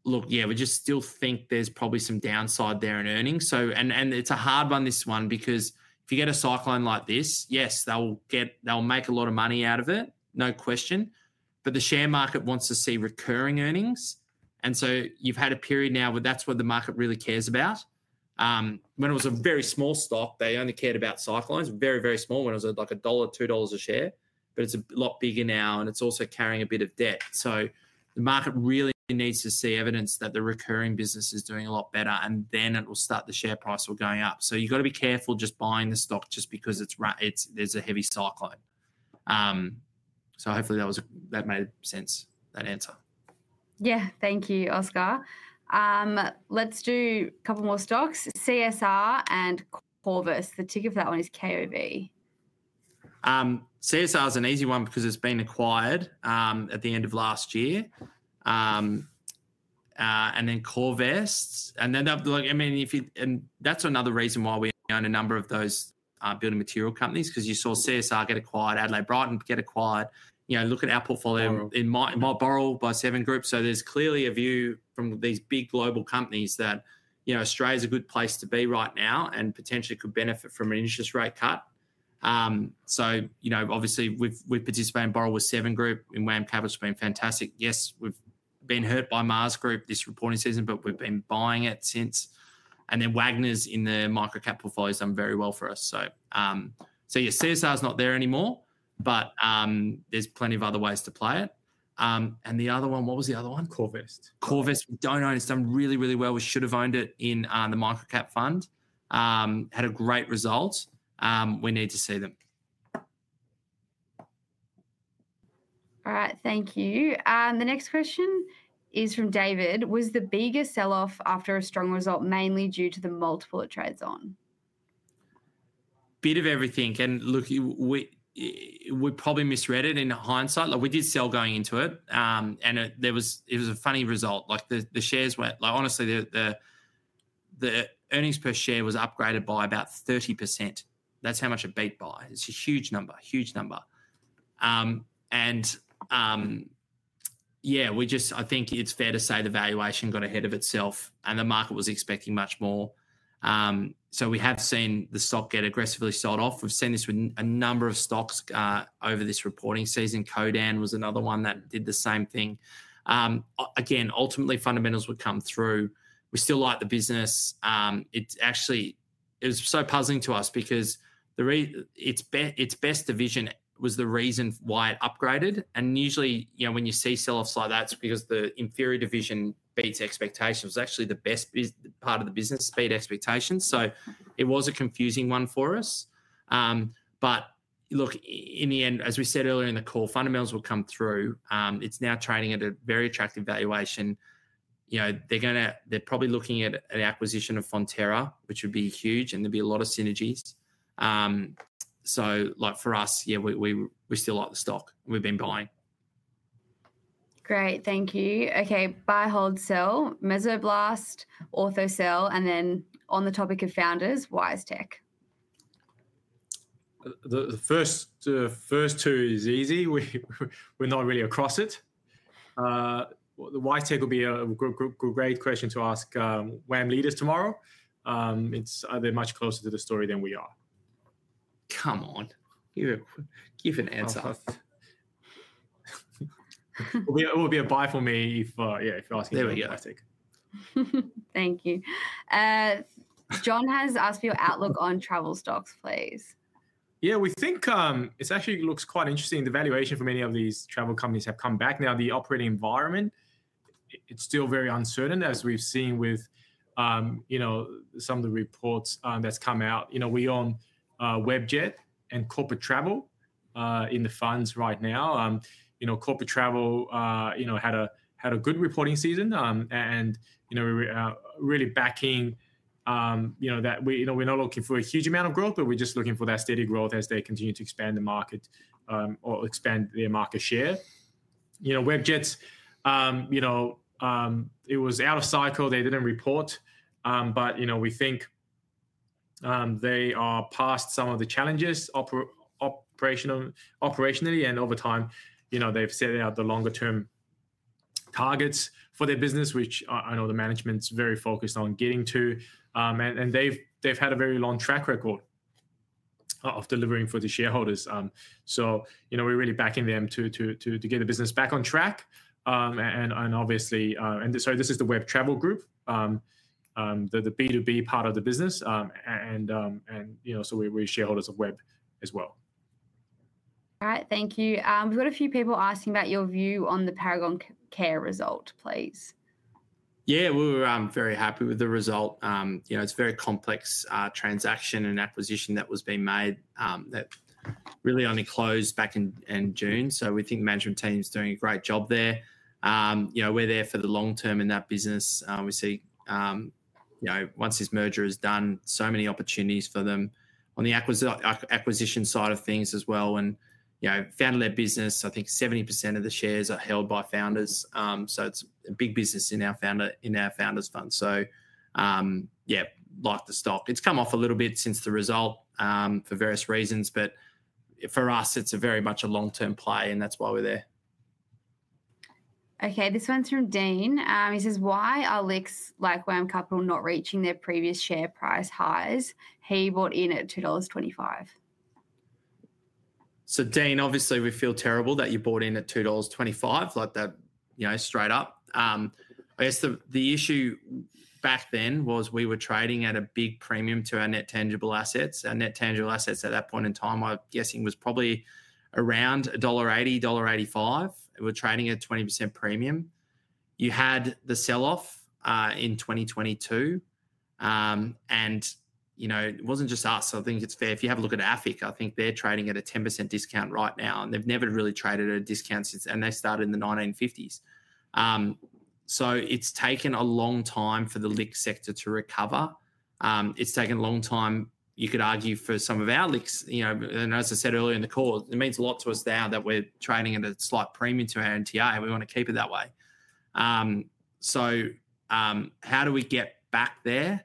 Look, yeah, we just still think there's probably some downside there in earnings. It's a hard one, this one, because if you get a cyclone like this, yes, they'll make a lot of money out of it, no question. The share market wants to see recurring earnings. You've had a period now where that's what the market really cares about. When it was a very small stock, they only cared about cyclones, very, very small, when it was like AUD 1, dollar 2 a share. It's a lot bigger now, and it's also carrying a bit of debt. The market really needs to see evidence that the recurring business is doing a lot better, and then it will start the share price going up. You've got to be careful just buying the stock just because there's a heavy cyclone. Hopefully that made sense, that answer. Yeah, thank you, Oscar. Let's do a couple more stocks, CSR and Korvest. The ticker for that one is KOV. CSR is an easy one because it's been acquired at the end of last year. And then Korvest. Then look, I mean, that's another reason why we own a number of those building material companies because you saw CSR get acquired, Adbri get acquired. Look at our portfolio in my borrow by Seven Group. There's clearly a view from these big global companies that Australia is a good place to be right now and potentially could benefit from an interest rate cut. Obviously, we've participated in Boral with Seven Group. In WAM Capital's been fantastic. Yes, we've been hurt by Mars Group this reporting season, but we've been buying it since. Wagner's in the microcap portfolio has done very well for us. CSR is not there anymore, but there's plenty of other ways to play it. What was the other one? Korvest. Korvest, we do not own it. It has done really, really well. We should have owned it in the microcap fund. Had a great result. We need to see them. All right, thank you. The next question is from David. Was the bigger sell-off after a strong result mainly due to the multiple it trades on? Bit of everything. Look, we probably misread it in hindsight. We did sell going into it. It was a funny result. The shares went, honestly, the earnings per share was upgraded by about 30%. That's how much a beat by. It's a huge number, huge number. I think it's fair to say the valuation got ahead of itself and the market was expecting much more. We have seen the stock get aggressively sold off. We've seen this with a number of stocks over this reporting season. Codan was another one that did the same thing. Again, ultimately, fundamentals would come through. We still like the business. It was so puzzling to us because its best division was the reason why it upgraded. Usually, when you see sell-offs like that, it's because the inferior division beats expectations. It's actually the best part of the business to beat expectations. It was a confusing one for us. Look, in the end, as we said earlier in the call, fundamentals will come through. It's now trading at a very attractive valuation. They're probably looking at an acquisition of Fonterra, which would be huge, and there'd be a lot of synergies. For us, yeah, we still like the stock. We've been buying. Great, thank you. Okay, buy hold sell, Mesoblast, Orthocell. On the topic of founders, WiseTech. The first two is easy. We're not really across it. The WiseTech will be a great question to ask WAM leaders tomorrow. They're much closer to the story than we are. Come on, give an answer. It will be a buy for me if you're asking for WiseTech. There we go. Thank you. John has asked for your outlook on travel stocks, please. Yeah, we think it actually looks quite interesting. The valuation for many of these travel companies have come back. Now, the operating environment, it's still very uncertain, as we've seen with some of the reports that's come out. We own Webjet and Corporate Travel in the funds right now. Corporate Travel had a good reporting season and really backing that. We're not looking for a huge amount of growth, but we're just looking for that steady growth as they continue to expand the market or expand their market share. Webjet, it was out of cycle. They didn't report. We think they are past some of the challenges operationally. Over time, they've set out the longer-term targets for their business, which I know the management's very focused on getting to. They've had a very long track record of delivering for the shareholders. We're really backing them to get the business back on track. Obviously, this is the Webjet Travel Group, the B2B part of the business. We're shareholders of Webjet as well. All right, thank you. We've got a few people asking about your view on the ParagonCare result, please. Yeah, we're very happy with the result. It's a very complex transaction and acquisition that was being made that really only closed back in June. We think the management team's doing a great job there. We're there for the long term in that business. We see once this merger is done, so many opportunities for them on the acquisition side of things as well. Founded their business, I think 70% of the shares are held by founders. It's a big business in our founders fund. Yeah, like the stock. It's come off a little bit since the result for various reasons. For us, it's very much a long-term play, and that's why we're there. Okay, this one's from Dean. He says, why are LICs like WAM Capital not reaching their previous share price highs? He bought in at 2.25 dollars. Dean, obviously, we feel terrible that you bought in at $2.25, like that straight up. I guess the issue back then was we were trading at a big premium to our net tangible assets. Our net tangible assets at that point in time, I'm guessing, was probably around $1.80, $1.85. We were trading at a 20% premium. You had the sell-off in 2022. It wasn't just us. I think it's fair if you have a look at AFIC. I think they're trading at a 10% discount right now. They've never really traded at a discount since they started in the 1950s. It's taken a long time for the LICs sector to recover. It's taken a long time, you could argue, for some of our LICs. As I said earlier in the call, it means a lot to us now that we are trading at a slight premium to our NTA. We want to keep it that way. How do we get back there?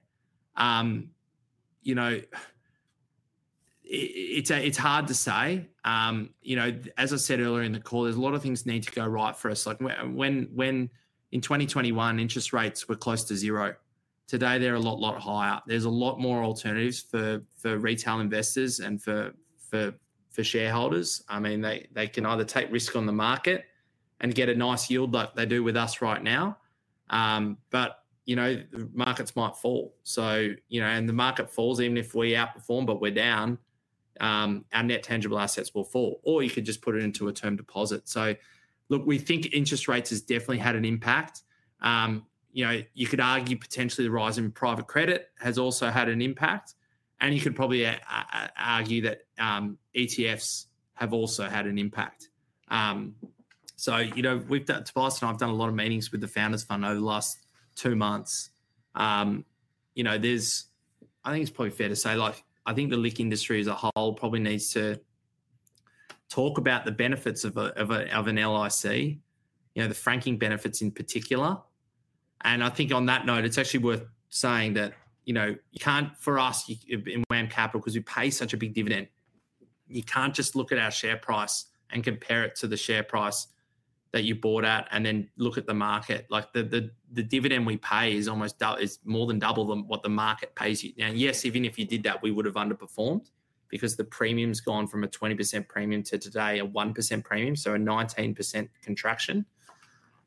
It is hard to say. As I said earlier in the call, there are a lot of things that need to go right for us. In 2021, interest rates were close to zero. Today, they are a lot, lot higher. There are a lot more alternatives for retail investors and for shareholders. I mean, they can either take risk on the market and get a nice yield like they do with us right now. The markets might fall. If the market falls, even if we outperform but we are down, our net tangible assets will fall. You could just put it into a term deposit. Look, we think interest rates have definitely had an impact. You could argue potentially the rise in private credit has also had an impact. You could probably argue that ETFs have also had an impact. We've done twice, and I've done a lot of meetings with the founders fund over the last two months. I think it's probably fair to say I think the LICs industry as a whole probably needs to talk about the benefits of an LIC, the franking benefits in particular. I think on that note, it's actually worth saying that for us in WAM Capital, because we pay such a big dividend, you can't just look at our share price and compare it to the share price that you bought at and then look at the market. The dividend we pay is more than double than what the market pays you. Now, yes, even if you did that, we would have underperformed because the premium's gone from a 20% premium to today a 1% premium, so a 19% contraction.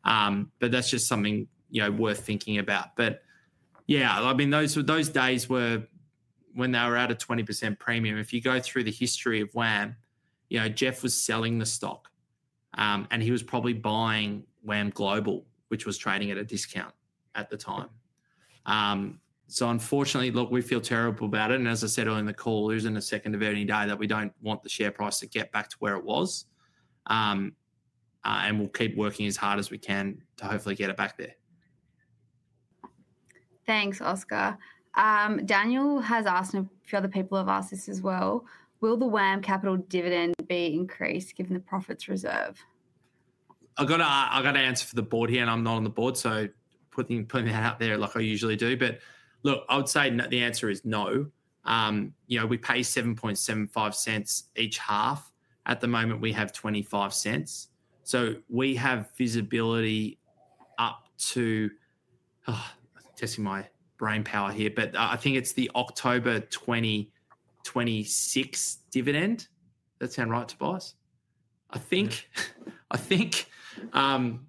That's just something worth thinking about. Yeah, I mean, those days were when they were at a 20% premium. If you go through the history of WAM, Jeff was selling the stock, and he was probably buying WAM Global, which was trading at a discount at the time. Unfortunately, look, we feel terrible about it. As I said earlier in the call, it was in the second of every day that we don't want the share price to get back to where it was. We'll keep working as hard as we can to hopefully get it back there. Thanks, Oscar. Daniel has asked, and a few other people have asked this as well. Will the WAM Capital dividend be increased given the profits reserve? I've got to answer for the board here, and I'm not on the board, so putting that out there like I usually do. Look, I would say the answer is no. We pay 0.0775 each half. At the moment, we have 0.25. We have visibility up to, I'm testing my brain power here, but I think it's the October 2026 dividend. Does that sound right to buyers? I think, hang on,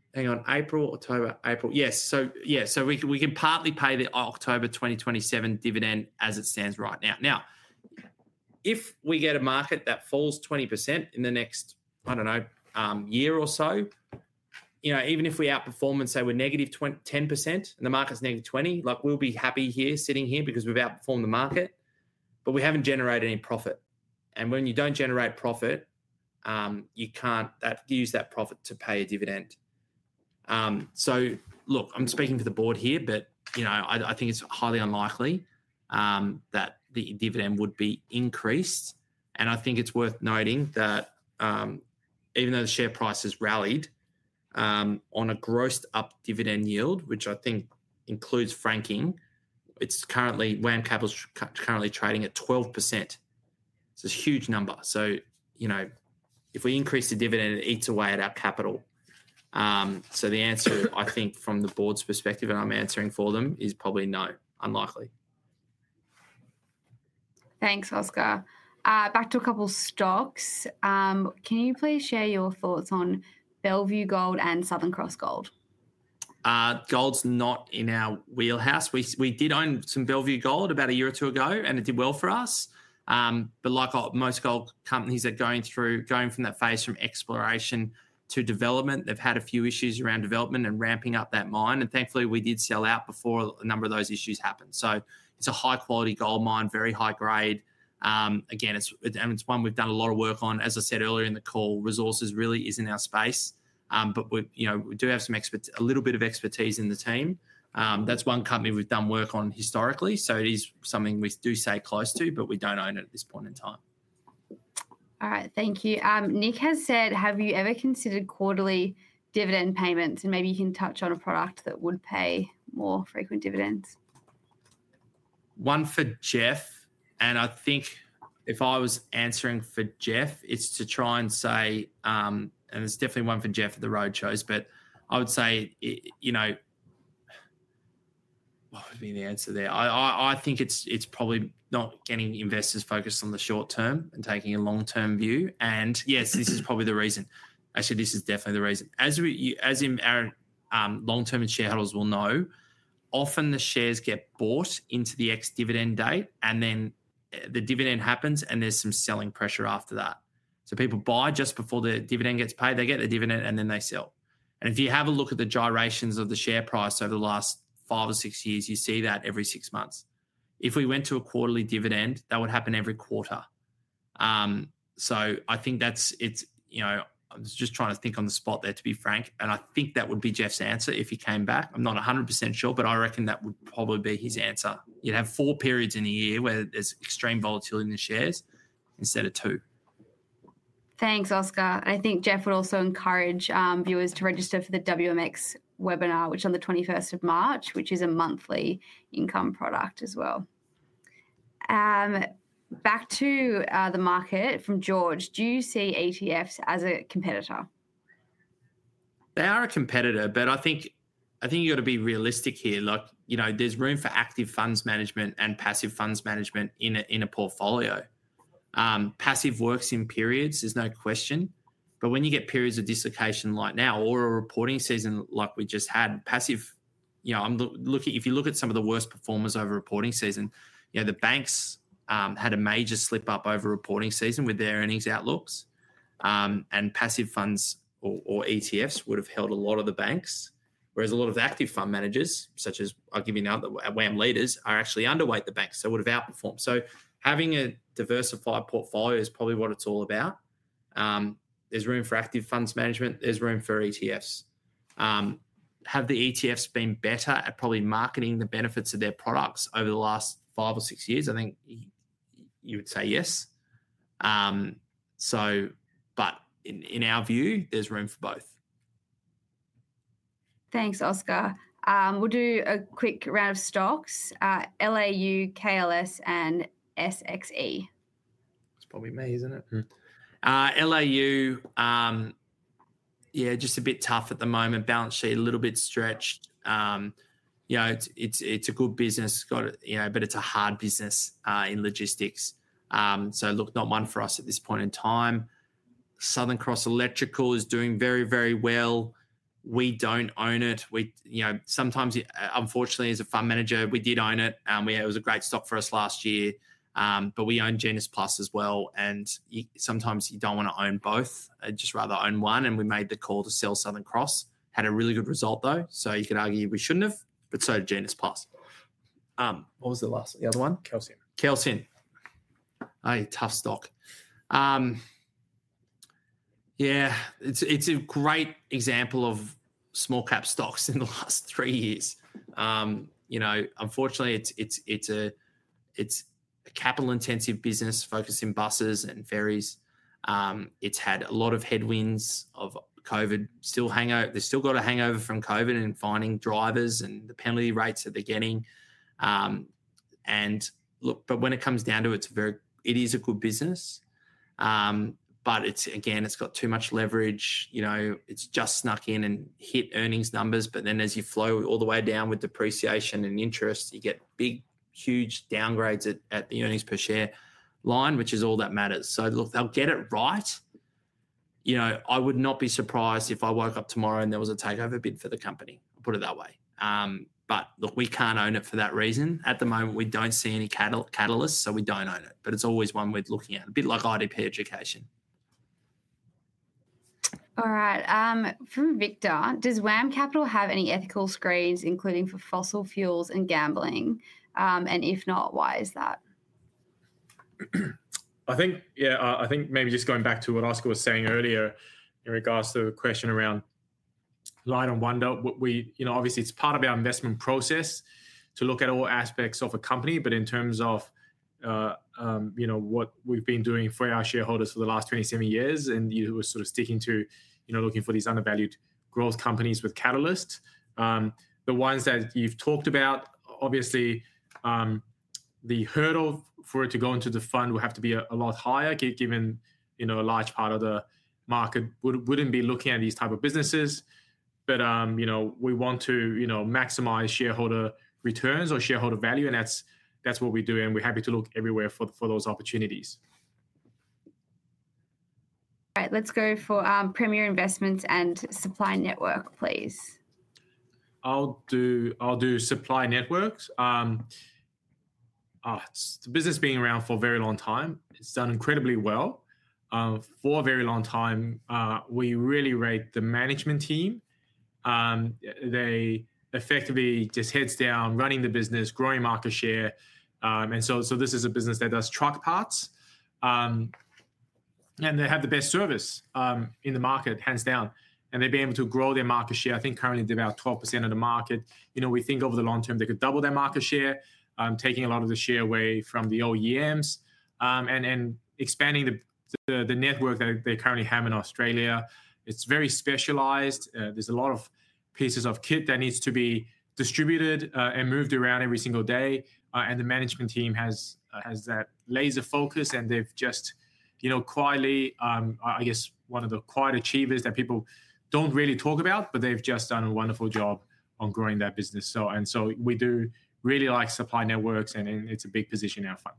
April, October, April. Yes, so yeah, we can partly pay the October 2027 dividend as it stands right now. Now, if we get a market that falls 20% in the next, I don't know, year or so, even if we outperform and say we're -10% and the market -20%, we'll be happy here sitting here because we've outperformed the market, but we haven't generated any profit. When you do not generate profit, you cannot use that profit to pay a dividend. Look, I am speaking for the board here, but I think it is highly unlikely that the dividend would be increased. I think it is worth noting that even though the share price has rallied on a grossed-up dividend yield, which I think includes franking, it's currently WAM Capital trading at 12%. It is a huge number. If we increase the dividend, it eats away at our capital. The answer, I think, from the board's perspective, and I am answering for them, is probably no, unlikely. Thanks, Oscar. Back to a couple of stocks. Can you please share your thoughts on Bellevue Gold and Southern Cross Gold? Gold's not in our wheelhouse. We did own some Bellevue Gold about a year or two ago, and it did well for us. Like most gold companies that are going through, going from that phase from exploration to development, they've had a few issues around development and ramping up that mine. Thankfully, we did sell out before a number of those issues happened. It is a high-quality gold mine, very high grade. Again, it's one we've done a lot of work on. As I said earlier in the call, resources really is in our space, but we do have a little bit of expertise in the team. That's one company we've done work on historically. It is something we do stay close to, but we don't own it at this point in time. All right, thank you. Nick has said, have you ever considered quarterly dividend payments? And maybe you can touch on a product that would pay more frequent dividends. One for Jeff. I think if I was answering for Jeff, it's to try and say, and it's definitely one for Jeff at the road shows, but I would say, what would be the answer there? I think it's probably not getting investors focused on the short term and taking a long-term view. Yes, this is probably the reason. Actually, this is definitely the reason. As long-term shareholders will know, often the shares get bought into the ex-dividend date, and then the dividend happens, and there's some selling pressure after that. People buy just before the dividend gets paid. They get the dividend, and then they sell. If you have a look at the gyrations of the share price over the last five or six years, you see that every six months. If we went to a quarterly dividend, that would happen every quarter. I think that's, I'm just trying to think on the spot there, to be frank. I think that would be Jeff's answer if he came back. I'm not 100% sure, but I reckon that would probably be his answer. You'd have four periods in a year where there's extreme volatility in the shares instead of two. Thanks, Oscar. I think Jeff would also encourage viewers to register for the WMX webinar, which is on the 21st of March, which is a monthly income product as well. Back to the market from George, do you see ETFs as a competitor? They are a competitor, but I think you've got to be realistic here. There's room for active funds management and passive funds management in a portfolio. Passive works in periods, there's no question. When you get periods of dislocation like now or a reporting season like we just had, passive, if you look at some of the worst performers over reporting season, the banks had a major slip up over reporting season with their earnings outlooks. Passive funds or ETFs would have held a lot of the banks, whereas a lot of active fund managers, such as I'll give you now, the WAM leaders, are actually underweight the banks. They would have outperformed. Having a diversified portfolio is probably what it's all about. There's room for active funds management. There's room for ETFs. Have the ETFs been better at probably marketing the benefits of their products over the last five or six years? I think you would say yes. In our view, there's room for both. Thanks, Oscar. We'll do a quick round of stocks, LAU, KLS, and SXE. It's probably me, isn't it? LAU, yeah, just a bit tough at the moment. Balance sheet a little bit stretched. It's a good business, but it's a hard business in logistics. Look, not one for us at this point in time. Southern Cross Electrical is doing very, very well. We don't own it. Sometimes, unfortunately, as a fund manager, we did own it. It was a great stock for us last year. We own GenusPlus as well. Sometimes you don't want to own both. I'd just rather own one. We made the call to sell Southern Cross. Had a really good result, though. You could argue we shouldn't have, but so did GenusPlus. What was the last, the other one? Kelsian. Kelsian Tough stock. Yeah, it's a great example of small-cap stocks in the last three years. Unfortunately, it's a capital-intensive business focusing buses and ferries. It's had a lot of headwinds of COVID. They've still got a hangover from COVID and finding drivers and the penalty rates that they're getting. Look, when it comes down to it, it is a good business. Again, it's got too much leverage. It's just snuck in and hit earnings numbers. As you flow all the way down with depreciation and interest, you get big, huge downgrades at the earnings per share line, which is all that matters. Look, they'll get it right. I would not be surprised if I woke up tomorrow and there was a takeover bid for the company. I'll put it that way. Look, we can't own it for that reason. At the moment, we don't see any catalysts, so we don't own it. It's always one we're looking at, a bit like IDP Education. All right. From Victor, does WAM Capital have any ethical screens, including for fossil fuels and gambling? If not, why is that? I think, yeah, I think maybe just going back to what Oscar was saying earlier in regards to the question around Light & Wonder, obviously, it's part of our investment process to look at all aspects of a company. In terms of what we've been doing for our shareholders for the last 27 years, we're sort of sticking to looking for these undervalued growth companies with catalysts. The ones that you've talked about, obviously, the hurdle for it to go into the fund will have to be a lot higher, given a large part of the market wouldn't be looking at these types of businesses. We want to maximize shareholder returns or shareholder value, and that's what we do. We're happy to look everywhere for those opportunities. All right, let's go for Premier Investments and Supply Network, please. I'll do Supply Network. The business has been around for a very long time. It's done incredibly well for a very long time. We really rate the management team. They effectively just heads down, running the business, growing market share. This is a business that does truck parts. They have the best service in the market, hands down. They've been able to grow their market share. I think currently they're about 12% of the market. We think over the long term, they could double their market share, taking a lot of the share away from the OEMs and expanding the network that they currently have in Australia. It's very specialized. There's a lot of pieces of kit that needs to be distributed and moved around every single day. The management team has that laser focus, and they've just quietly, I guess, one of the quiet achievers that people do not really talk about, but they've just done a wonderful job on growing that business. We do really like Supply Network, and it's a big position in our fund.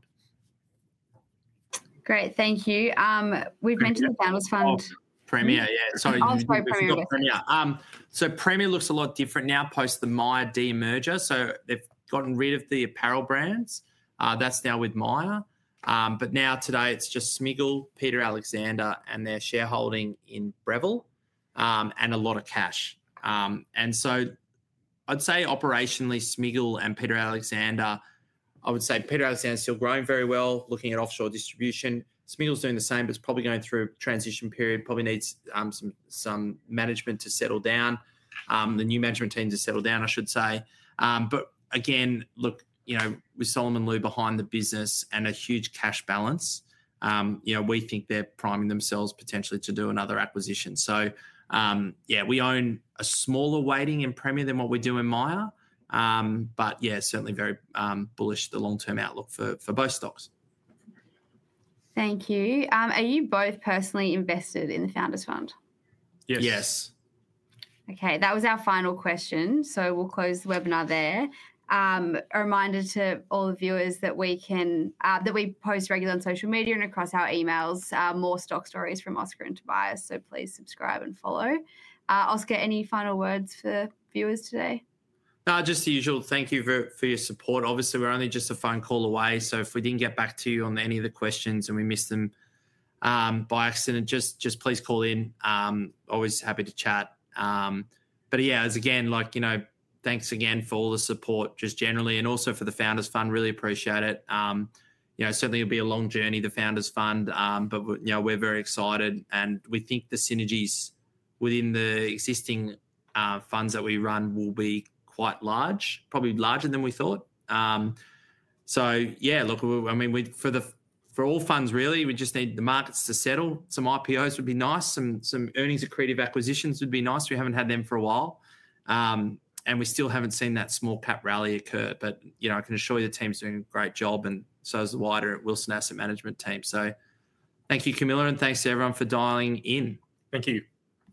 Great, thank you. We've mentioned the DALLAS' Fund. Premier. Yeah. I'll just go Premier. Premier looks a lot different now post the Myer demerger. They've gotten rid of the apparel brands. That's now with Myer. Today, it's just Smiggle, Peter Alexander, and their shareholding in Breville and a lot of cash. I'd say operationally, Smiggle and Peter Alexander, I would say Peter's is still growing very well, looking at offshore distribution. Smiggle's doing the same, but it's probably going through a transition period, probably needs some management to settle down, the new management team to settle down, I should say. Again, look, with Solomon Lew behind the business and a huge cash balance, we think they're priming themselves potentially to do another acquisition. We own a smaller weighting in Premier than what we do in Myer. Certainly very bullish, the long-term outlook for both stocks. Thank you. Are you both personally invested in the founders fund? Yes. Okay, that was our final question. We will close the webinar there. A reminder to all the viewers that we post regularly on social media and across our emails, more stock stories from Oscar and Tobias. Please subscribe and follow. Oscar, any final words for viewers today? Just the usual. Thank you for your support. Obviously, we're only just a phone call away. If we didn't get back to you on any of the questions and we missed them by accident, just please call in. Always happy to chat. Yeah, again, thanks again for all the support just generally and also for the founders fund. Really appreciate it. Certainly, it'll be a long journey, the founders fund, but we're very excited. We think the synergies within the existing funds that we run will be quite large, probably larger than we thought. Yeah, look, I mean, for all funds, really, we just need the markets to settle. Some IPOs would be nice. Some earnings accretive acquisitions would be nice. We haven't had them for a while. We still haven't seen that small-cap rally occur. I can assure you the team's doing a great job. The wider Wilson Asset Management team has as well. Thank you, Camilla, and thanks to everyone for dialing in. Thank you.